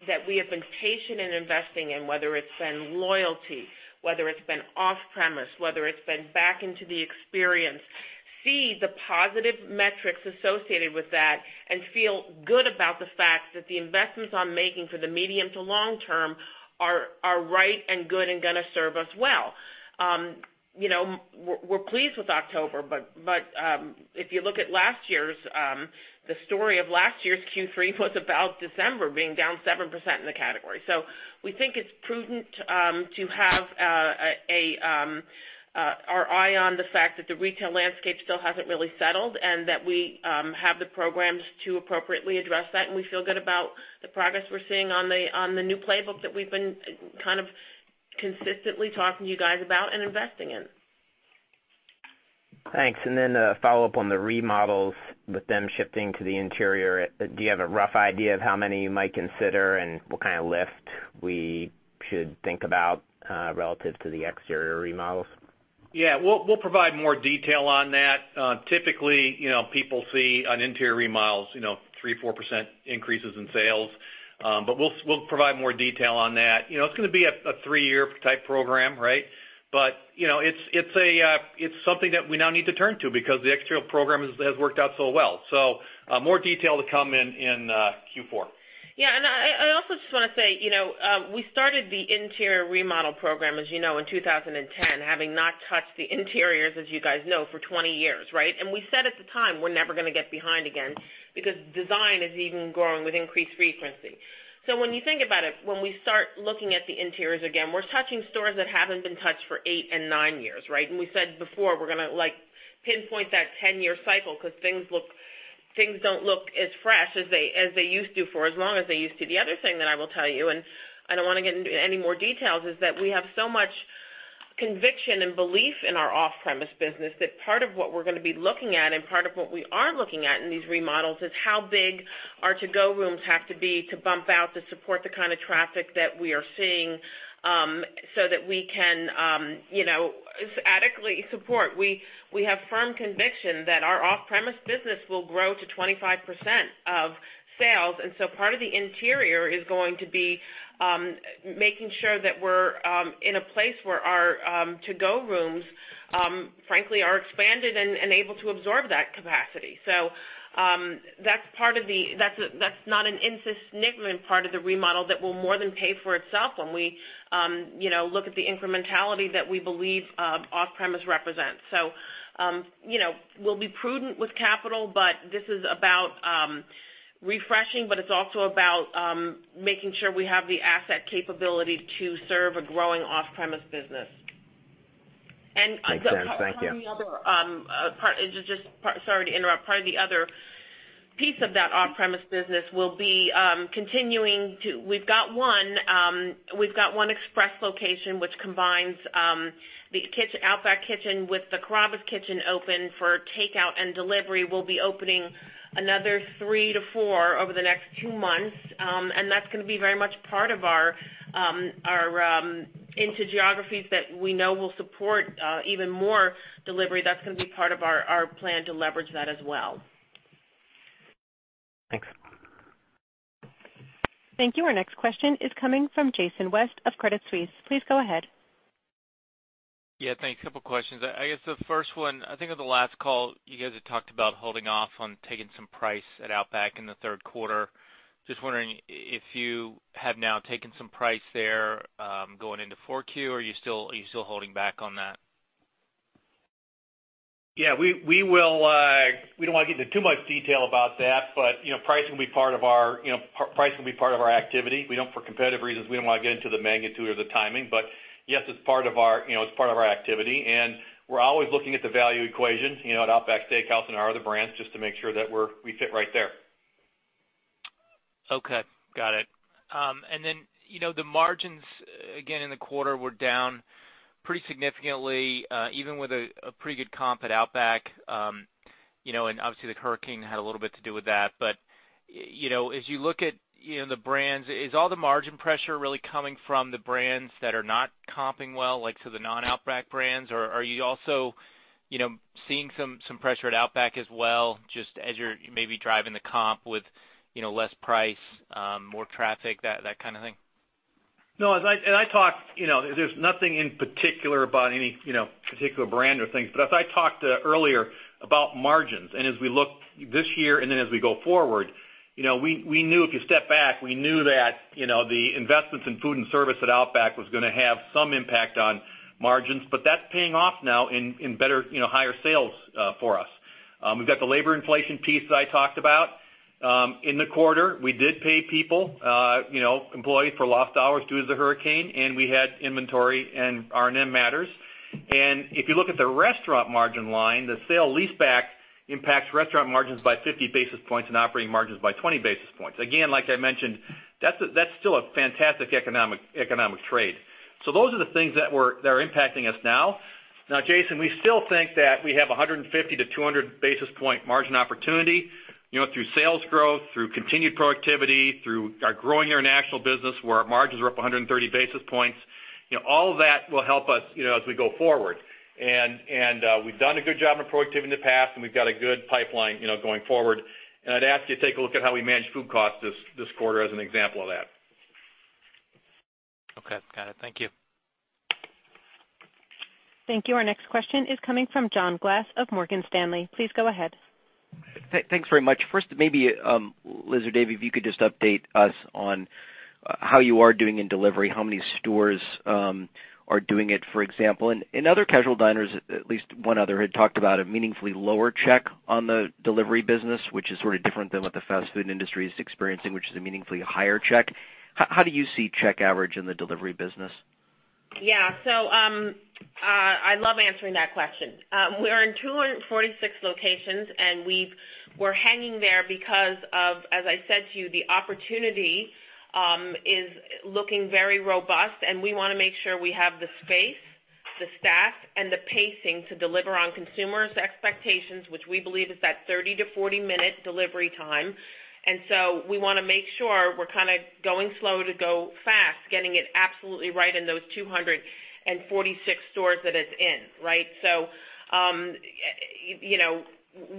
that we have been patient in investing in, whether it's been loyalty, whether it's been off-premise, whether it's been back into the experience, see the positive metrics associated with that, and feel good about the fact that the investments I'm making for the medium to long term are right and good and going to serve us well. We're pleased with October, but if you look at last year's, the story of last year's Q3 was about December being down 7% in the category. We think it's prudent to have our eye on the fact that the retail landscape still hasn't really settled, and that we have the programs to appropriately address that, and we feel good about the progress we're seeing on the new playbook that we've been kind of consistently talking to you guys about and investing in. Thanks. A follow-up on the remodels, with them shifting to the interior, do you have a rough idea of how many you might consider and what kind of lift we should think about relative to the exterior remodels? Yeah. We'll provide more detail on that. Typically, people see on interior remodels, 3%, 4% increases in sales. We'll provide more detail on that. It's going to be a three-year type program, right? It's something that we now need to turn to because the exterior program has worked out so well. More detail to come in Q4. I also just want to say, we started the interior remodel program, as you know, in 2010, having not touched the interiors, as you guys know, for 20 years, right? We said at the time, we're never going to get behind again because design is even growing with increased frequency. When you think about it, when we start looking at the interiors, again, we're touching stores that haven't been touched for eight and nine years, right? We said before, we're going to pinpoint that 10-year cycle because things don't look as fresh as they used to, for as long as they used to. The other thing that I will tell you, and I don't want to get into any more details, is that we have so much conviction and belief in our off-premise business that part of what we're going to be looking at, and part of what we are looking at in these remodels, is how big our to-go rooms have to be to bump out to support the kind of traffic that we are seeing, so that we can adequately support. We have firm conviction that our off-premise business will grow to 25% of sales. Part of the interior is going to be making sure that we're in a place where our to-go rooms, frankly, are expanded and able to absorb that capacity. That's not an insignificant part of the remodel that will more than pay for itself when we look at the incrementality that we believe off-premise represents. We'll be prudent with capital, but this is about refreshing, but it's also about making sure we have the asset capability to serve a growing off-premise business. Thanks, Liz. Thank you. Just, sorry to interrupt. Part of the other piece of that off-premise business will be continuing to-- We've got one Express location, which combines the Outback kitchen with the Carrabba's kitchen open for takeout and delivery. We'll be opening another three to four over the next two months. That's going to be very much part of our into geographies that we know will support even more delivery. That's going to be part of our plan to leverage that as well. Thanks. Thank you. Our next question is coming from Jason West of Credit Suisse. Please go ahead. Yeah, thanks. Couple of questions. I guess the first one, I think on the last call, you guys had talked about holding off on taking some price at Outback in the third quarter. Just wondering if you have now taken some price there going into 4Q, or are you still holding back on that? Yeah. We don't want to get into too much detail about that, pricing will be part of our activity. For competitive reasons, we don't want to get into the magnitude or the timing. Yes, it's part of our activity, we're always looking at the value equation, at Outback Steakhouse and our other brands, just to make sure that we fit right there. Okay. Got it. The margins again in the quarter were down pretty significantly, even with a pretty good comp at Outback. Obviously the hurricane had a little bit to do with that. As you look at the brands, is all the margin pressure really coming from the brands that are not comping well, like so the non-Outback brands? Are you also seeing some pressure at Outback as well, just as you're maybe driving the comp with less price, more traffic, that kind of thing? No. There's nothing in particular about any particular brand or things. As I talked earlier about margins, as we look this year, as we go forward, if you step back, we knew that the investments in food and service at Outback was going to have some impact on margins. That's paying off now in better, higher sales for us. We've got the labor inflation piece that I talked about. In the quarter, we did pay people, employees for lost hours due to the hurricane, we had inventory and R&M matters. If you look at the restaurant margin line, the sale leaseback impacts restaurant margins by 50 basis points and operating margins by 20 basis points. Again, like I mentioned, that's still a fantastic economic trade. Those are the things that are impacting us now. Jason, we still think that we have 150-200 basis point margin opportunity through sales growth, through continued proactivity, through our growing international business where our margins are up 130 basis points. All of that will help us as we go forward. We've done a good job on proactivity in the past, and we've got a good pipeline going forward. I'd ask you to take a look at how we managed food costs this quarter as an example of that. Okay. Got it. Thank you. Thank you. Our next question is coming from John Glass of Morgan Stanley. Please go ahead. Thanks very much. First, maybe Liz or Dave, if you could just update us on how you are doing in delivery, how many stores are doing it, for example. In other casual diners, at least one other had talked about a meaningfully lower check on the delivery business, which is sort of different than what the fast food industry is experiencing, which is a meaningfully higher check. How do you see check average in the delivery business? Yeah. I love answering that question. We're in 246 locations, and we're hanging there because of, as I said to you, the opportunity is looking very robust, and we want to make sure we have the space the staff and the pacing to deliver on consumers' expectations, which we believe is that 30-40 minute delivery time. We want to make sure we're going slow to go fast, getting it absolutely right in those 246 stores that it's in.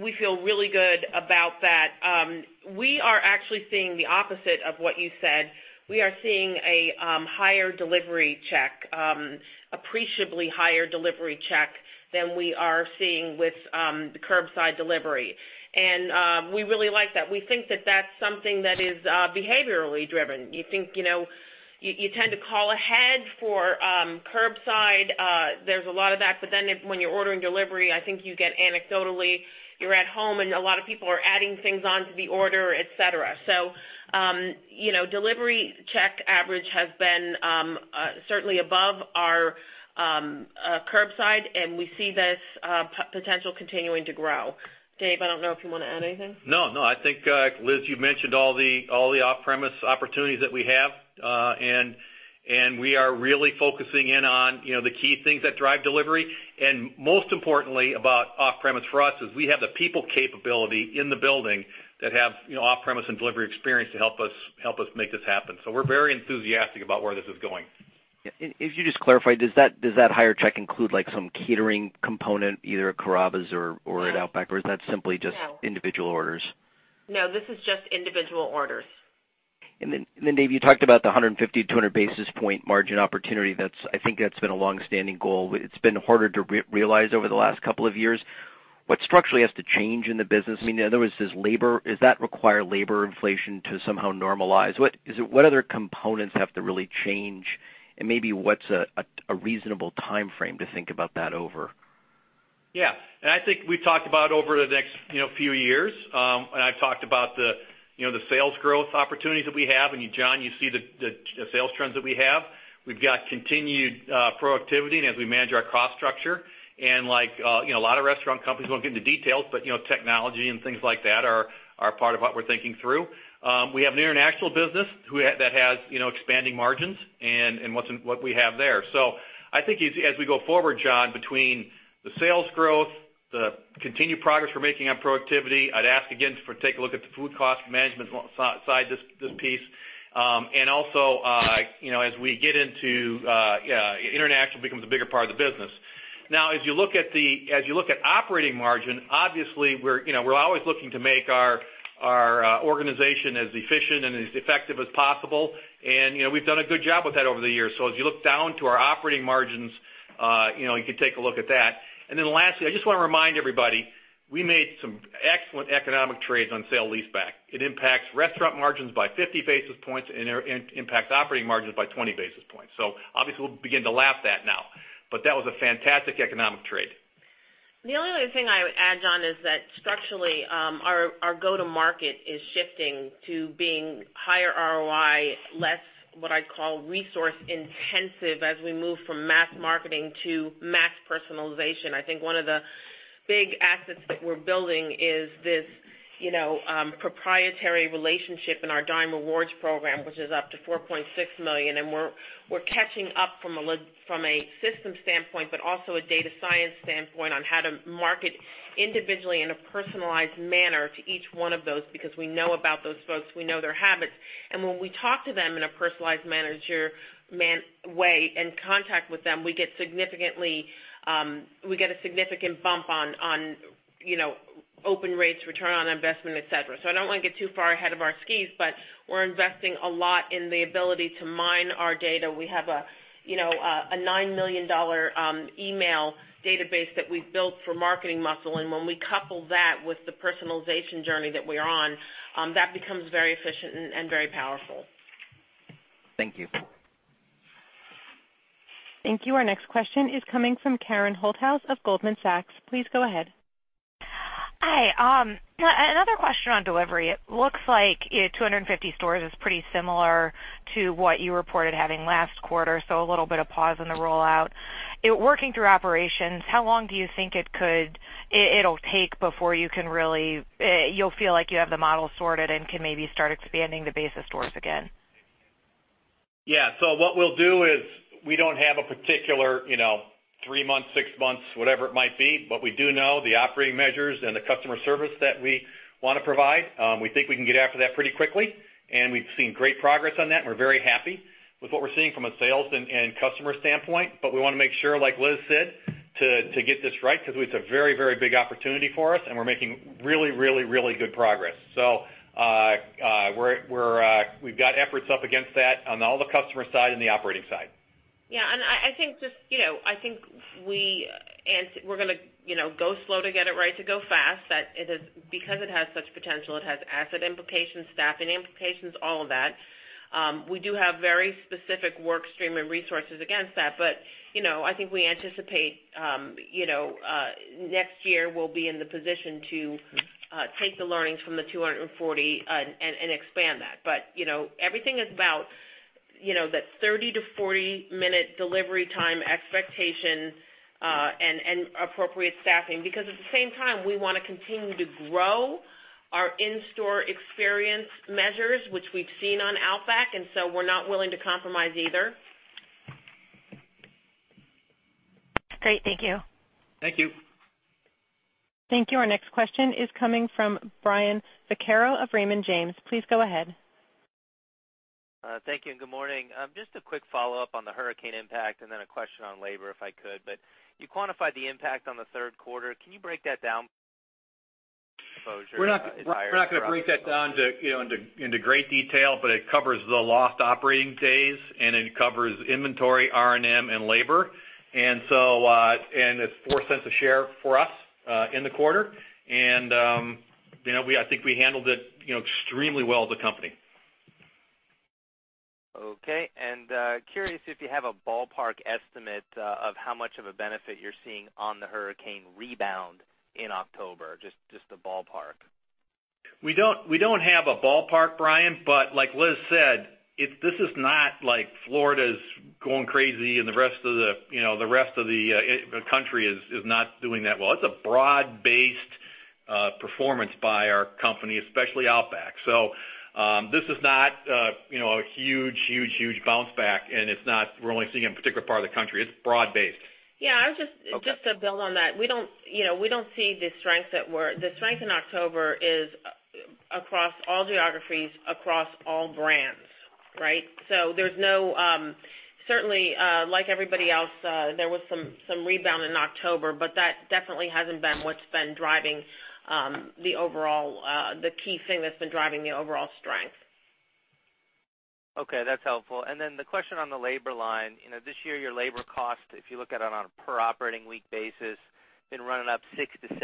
We feel really good about that. We are actually seeing the opposite of what you said. We are seeing a higher delivery check, appreciably higher delivery check than we are seeing with the curbside delivery. We really like that. We think that that's something that is behaviorally driven. You tend to call ahead for curbside. There's a lot of that, when you're ordering delivery, I think you get anecdotally, you're at home and a lot of people are adding things onto the order, et cetera. Delivery check average has been certainly above our curbside, and we see this potential continuing to grow. Dave, I don't know if you want to add anything. No, I think, Liz, you've mentioned all the off-premise opportunities that we have. We are really focusing in on the key things that drive delivery. Most importantly about off-premise for us is we have the people capability in the building that have off-premise and delivery experience to help us make this happen. We're very enthusiastic about where this is going. Yeah. If you just clarify, does that higher check include some catering component, either at Carrabba's or at Outback? No Individual orders? No, this is just individual orders. Dave, you talked about the 150-200 basis point margin opportunity. I think that's been a longstanding goal. It's been harder to realize over the last couple of years. What structurally has to change in the business? I mean, in other words, does that require labor inflation to somehow normalize? What other components have to really change? Maybe what's a reasonable timeframe to think about that over? Yeah. I think we've talked about over the next few years, I've talked about the sales growth opportunities that we have. John, you see the sales trends that we have. We've got continued proactivity as we manage our cost structure. Like a lot of restaurant companies, won't get into details, but technology and things like that are part of what we're thinking through. We have an international business that has expanding margins and what we have there. I think as we go forward, John, between the sales growth, the continued progress we're making on proactivity, I'd ask again for take a look at the food cost management side, this piece. Also, as we get into international becomes a bigger part of the business. As you look at operating margin, obviously we're always looking to make our organization as efficient and as effective as possible. We've done a good job with that over the years. As you look down to our operating margins, you could take a look at that. Lastly, I just want to remind everybody, we made some excellent economic trades on sale leaseback. It impacts restaurant margins by 50 basis points and impacts operating margins by 20 basis points. Obviously, we'll begin to lap that now, but that was a fantastic economic trade. The only other thing I would add, John, is that structurally, our go-to-market is shifting to being higher ROI, less what I'd call resource intensive as we move from mass marketing to mass personalization. I think one of the big assets that we're building is this proprietary relationship in our Dine Rewards program, which is up to 4.6 million, and we're catching up from a system standpoint, but also a data science standpoint on how to market individually in a personalized manner to each one of those, because we know about those folks, we know their habits. When we talk to them in a personalized way and contact with them, we get a significant bump on open rates, return on investment, et cetera. I don't want to get too far ahead of our skis, but we're investing a lot in the ability to mine our data. We have a $9 million email database that we've built for marketing muscle. When we couple that with the personalization journey that we're on, that becomes very efficient and very powerful. Thank you. Thank you. Our next question is coming from Karen Holthouse of Goldman Sachs. Please go ahead. Hi. Another question on delivery. It looks like 250 stores is pretty similar to what you reported having last quarter, a little bit of pause in the rollout. Working through operations, how long do you think it'll take before you'll feel like you have the model sorted and can maybe start expanding the base of stores again? Yeah. What we'll do is we don't have a particular three months, six months, whatever it might be, we do know the operating measures and the customer service that we want to provide. We think we can get after that pretty quickly, we've seen great progress on that, we're very happy with what we're seeing from a sales and customer standpoint. We want to make sure, like Liz said, to get this right, because it's a very big opportunity for us, we're making really good progress. We've got efforts up against that on all the customer side and the operating side. Yeah. I think we're going to go slow to get it right to go fast. It has such potential, it has asset implications, staffing implications, all of that. We do have very specific work stream and resources against that. I think we anticipate, next year we'll be in the position to take the learnings from the 240 and expand that. Everything is about that 30 to 40 minute delivery time expectation. Appropriate staffing, because at the same time, we want to continue to grow our in-store experience measures, which we've seen on Outback, we're not willing to compromise either. Great. Thank you. Thank you. Thank you. Our next question is coming from Brian Vaccaro of Raymond James. Please go ahead. Thank you. Good morning. Just a quick follow-up on the hurricane impact and then a question on labor, if I could. You quantified the impact on the third quarter. Can you break that down? We're not going to break that down into great detail. It covers the lost operating days. It covers inventory, R&M, and labor. It's $0.04 a share for us in the quarter. I think we handled it extremely well as a company. Okay. Curious if you have a ballpark estimate of how much of a benefit you're seeing on the hurricane rebound in October, just a ballpark. We don't have a ballpark, Brian, like Liz said, this is not like Florida's going crazy and the rest of the country is not doing that well. It's a broad-based performance by our company, especially Outback. This is not a huge bounce back, and it's not we're only seeing it in a particular part of the country. It's broad-based. Yeah, just to build on that. The strength in October is across all geographies, across all brands, right? Certainly like everybody else, there was some rebound in October, that definitely hasn't been what's been the key thing that's been driving the overall strength. Okay, that's helpful. Then the question on the labor line. This year, your labor cost, if you look at it on a per operating week basis, been running up 6%-7%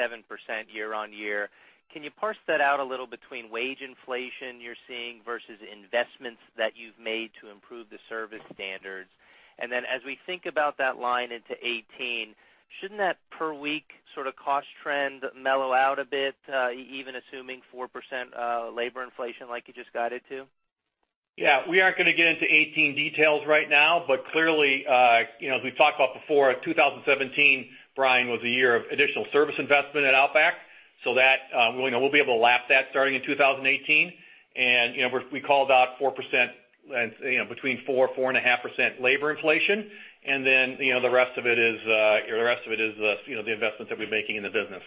year-on-year. Can you parse that out a little between wage inflation you're seeing versus investments that you've made to improve the service standards? Then as we think about that line into 2018, shouldn't that per week sort of cost trend mellow out a bit, even assuming 4% labor inflation like you just guided to? Yeah. We aren't going to get into 2018 details right now, clearly, as we've talked about before, 2017, Brian, was a year of additional service investment at Outback, we'll be able to lap that starting in 2018. We called out between 4%-4.5% labor inflation. The rest of it is the investments that we're making in the business.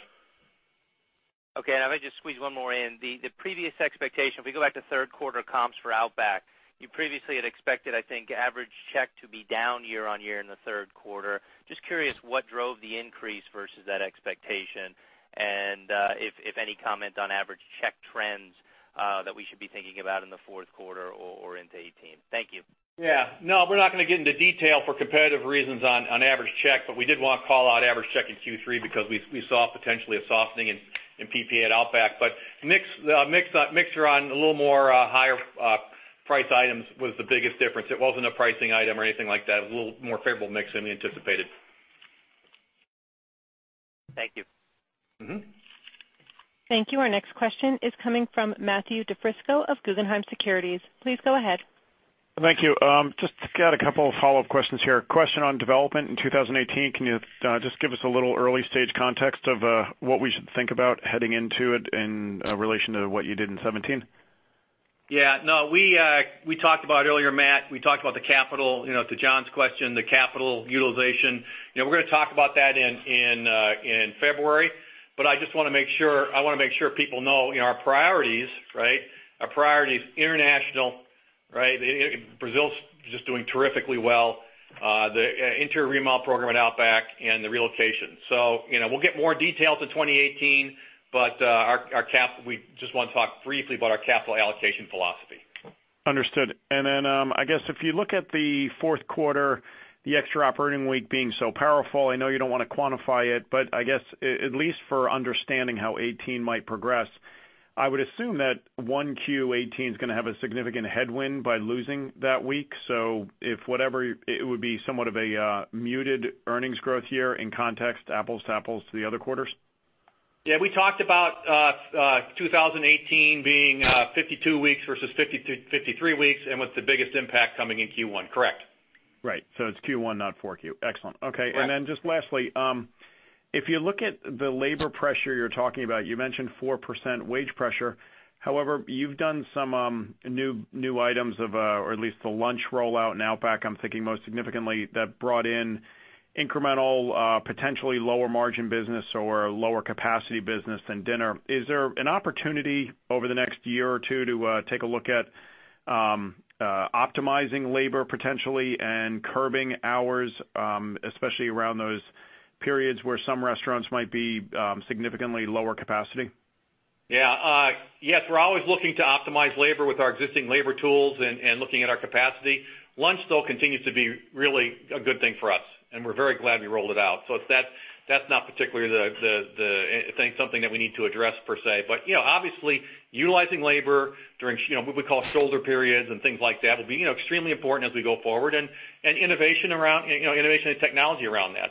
Okay. I'm going to just squeeze one more in. The previous expectation, if we go back to third quarter comps for Outback, you previously had expected, I think, average check to be down year-over-year in the third quarter. Just curious what drove the increase versus that expectation and if any comment on average check trends that we should be thinking about in the fourth quarter or into 2018. Thank you. Yeah. No, we're not going to get into detail for competitive reasons on average check, we did want to call out average check in Q3 because we saw potentially a softening in PPA at Outback. Mixture on a little more higher price items was the biggest difference. It wasn't a pricing item or anything like that. It was a little more favorable mix than we anticipated. Thank you. Thank you. Our next question is coming from Matthew DiFrisco of Guggenheim Securities. Please go ahead. Thank you. Just got a couple of follow-up questions here. Question on development in 2018. Can you just give us a little early stage context of what we should think about heading into it in relation to what you did in 2017? Yeah, no. We talked about it earlier, Matt. We talked about the capital. To John's question, the capital utilization. We're going to talk about that in February. I just want to make sure people know our priorities, right? Our priority is international, right? Brazil's just doing terrifically well. The interior remodel program at Outback and the relocation. We'll get more detail to 2018. We just want to talk briefly about our capital allocation philosophy. Understood. I guess if you look at the fourth quarter, the extra operating week being so powerful, I know you don't want to quantify it, but I guess, at least for understanding how 2018 might progress, I would assume that one Q 2018's going to have a significant headwind by losing that week. It would be somewhat of a muted earnings growth year in context, apples to apples to the other quarters? Yeah, we talked about 2018 being 52 weeks versus 53 weeks, and with the biggest impact coming in Q1. Correct. Right. It's Q1, not 4Q. Excellent. Okay. Correct. Just lastly, if you look at the labor pressure you're talking about, you mentioned 4% wage pressure. However, you've done some new items of, or at least the lunch rollout in Outback, I'm thinking most significantly, that brought in incremental, potentially lower margin business or lower capacity business than dinner. Is there an opportunity over the next year or two to take a look at optimizing labor potentially and curbing hours, especially around those periods where some restaurants might be significantly lower capacity? Yeah. Yes, we're always looking to optimize labor with our existing labor tools and looking at our capacity. Lunch still continues to be really a good thing for us, and we're very glad we rolled it out. That's not particularly something that we need to address, per se. Obviously, utilizing labor during what we call shoulder periods and things like that will be extremely important as we go forward and innovation and technology around that.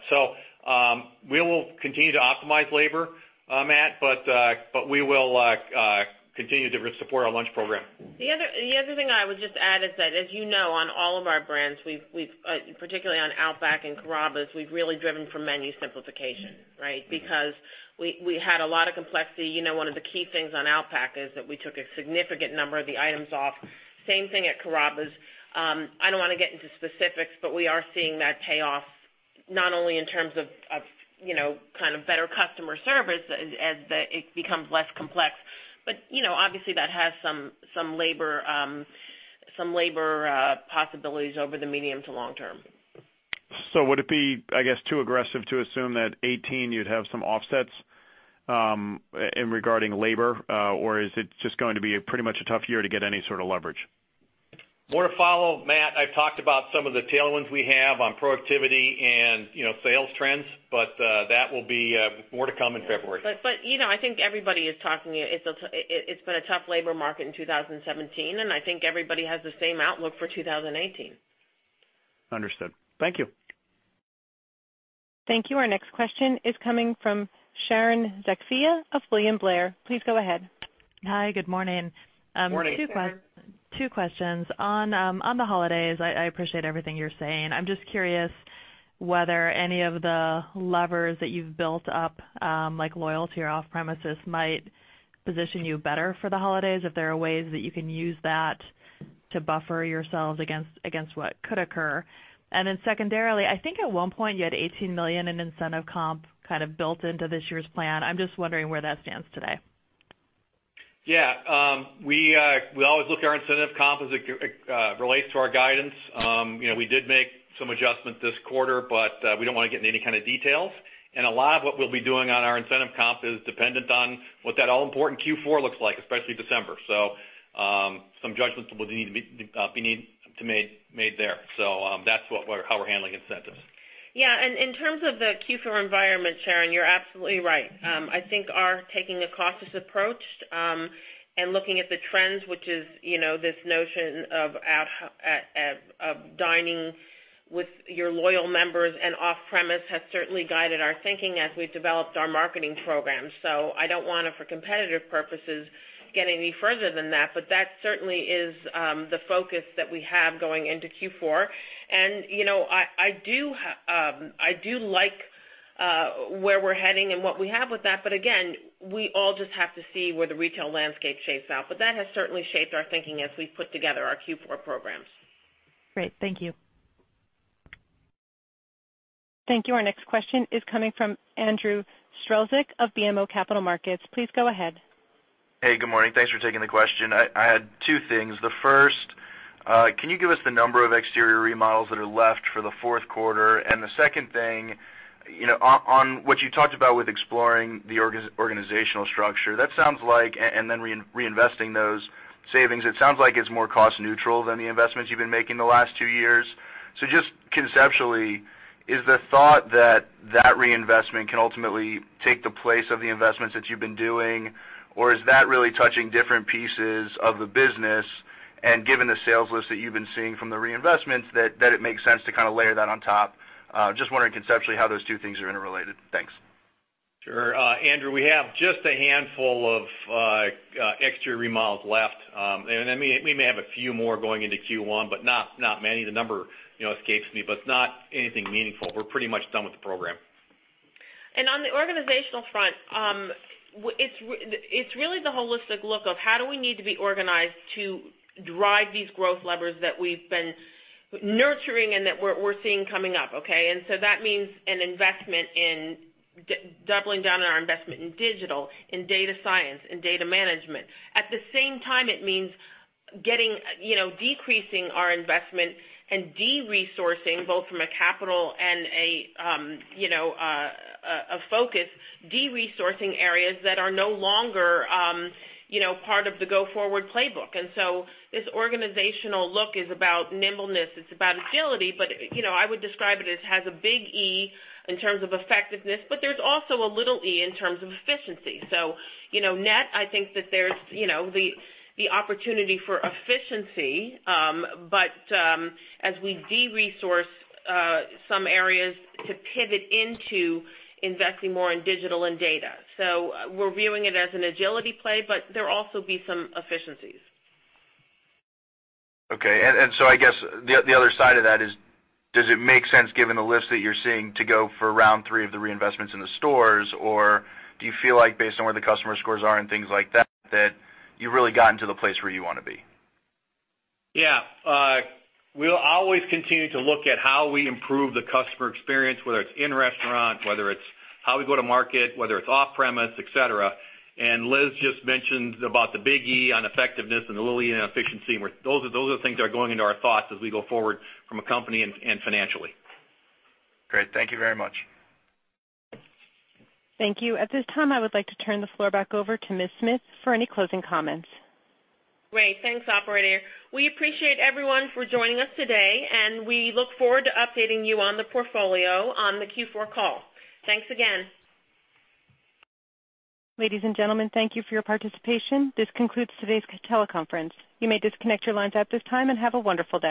We will continue to optimize labor, Matt, but we will continue to support our lunch program. The other thing I would just add is that, as you know, on all of our brands, particularly on Outback and Carrabba's, we've really driven for menu simplification, right? We had a lot of complexity. One of the key things on Outback is that we took a significant number of the items off. Same thing at Carrabba's. I don't want to get into specifics, but we are seeing that pay off not only in terms of better customer service as it becomes less complex, but obviously that has some labor possibilities over the medium to long term. Would it be, I guess, too aggressive to assume that 2018 you'd have some offsets in regarding labor, or is it just going to be a pretty much a tough year to get any sort of leverage? More to follow, Matt. I've talked about some of the tailwinds we have on productivity and sales trends, but that will be more to come in February. I think everybody is talking, it's been a tough labor market in 2017, and I think everybody has the same outlook for 2018. Understood. Thank you. Thank you. Our next question is coming from Sharon Zackfia of William Blair. Please go ahead. Hi. Good morning. Morning. Two questions. On the holidays, I appreciate everything you're saying. I'm just curious whether any of the levers that you've built up, like loyalty or off-premises, might position you better for the holidays, if there are ways that you can use that to buffer yourselves against what could occur. Secondarily, I think at one point you had $18 million in incentive comp kind of built into this year's plan. I'm just wondering where that stands today. We always look at our incentive comp as it relates to our guidance. We did make some adjustments this quarter, but we don't want to get into any kind of details. A lot of what we'll be doing on our incentive comp is dependent on what that all-important Q4 looks like, especially December. Some judgments will be needing to be made there. That's how we're handling incentives. In terms of the Q4 environment, Sharon Zackfia, you're absolutely right. I think our taking a cautious approach, and looking at the trends, which is this notion of dining with your loyal members and off-premise, has certainly guided our thinking as we've developed our marketing program. I don't want to, for competitive purposes, get any further than that. That certainly is the focus that we have going into Q4. I do like where we're heading and what we have with that. Again, we all just have to see where the retail landscape shapes out. That has certainly shaped our thinking as we've put together our Q4 programs. Great. Thank you. Thank you. Our next question is coming from Andrew Strelzik of BMO Capital Markets. Please go ahead. Good morning. Thanks for taking the question. I had two things. First, can you give us the number of exterior remodels that are left for the fourth quarter? Second thing, on what you talked about with exploring the organizational structure, then reinvesting those savings, it sounds like it's more cost neutral than the investments you've been making the last two years. Just conceptually, is the thought that that reinvestment can ultimately take the place of the investments that you've been doing? Is that really touching different pieces of the business, and given the sales lift that you've been seeing from the reinvestments, that it makes sense to kind of layer that on top? Just wondering conceptually how those two things are interrelated. Thanks. Sure. Andrew, we have just a handful of exterior remodels left. We may have a few more going into Q1, but not many. The number escapes me, but it's not anything meaningful. We're pretty much done with the program. On the organizational front, it's really the holistic look of how do we need to be organized to drive these growth levers that we've been nurturing and that we're seeing coming up, okay? That means doubling down on our investment in digital, in data science, in data management. At the same time, it means decreasing our investment and de-resourcing, both from a capital and a focus, de-resourcing areas that are no longer part of the go-forward playbook. This organizational look is about nimbleness, it's about agility, but I would describe it as has a big E in terms of effectiveness, but there's also a little E in terms of efficiency. Net, I think that there's the opportunity for efficiency, but as we de-resource some areas to pivot into investing more in digital and data. We're viewing it as an agility play, but there'll also be some efficiencies. Okay. I guess the other side of that is, does it make sense, given the lifts that you're seeing, to go for round three of the reinvestments in the stores? Or do you feel like based on where the customer scores are and things like that you've really gotten to the place where you want to be? Yeah. We'll always continue to look at how we improve the customer experience, whether it's in restaurant, whether it's how we go to market, whether it's off-premise, et cetera. Liz just mentioned about the big E on effectiveness and the little E on efficiency, those are the things that are going into our thoughts as we go forward from a company and financially. Great. Thank you very much. Thank you. At this time, I would like to turn the floor back over to Ms. Smith for any closing comments. Great. Thanks, operator. We appreciate everyone for joining us today, and we look forward to updating you on the portfolio on the Q4 call. Thanks again. Ladies and gentlemen, thank you for your participation. This concludes today's teleconference. You may disconnect your lines at this time, and have a wonderful day.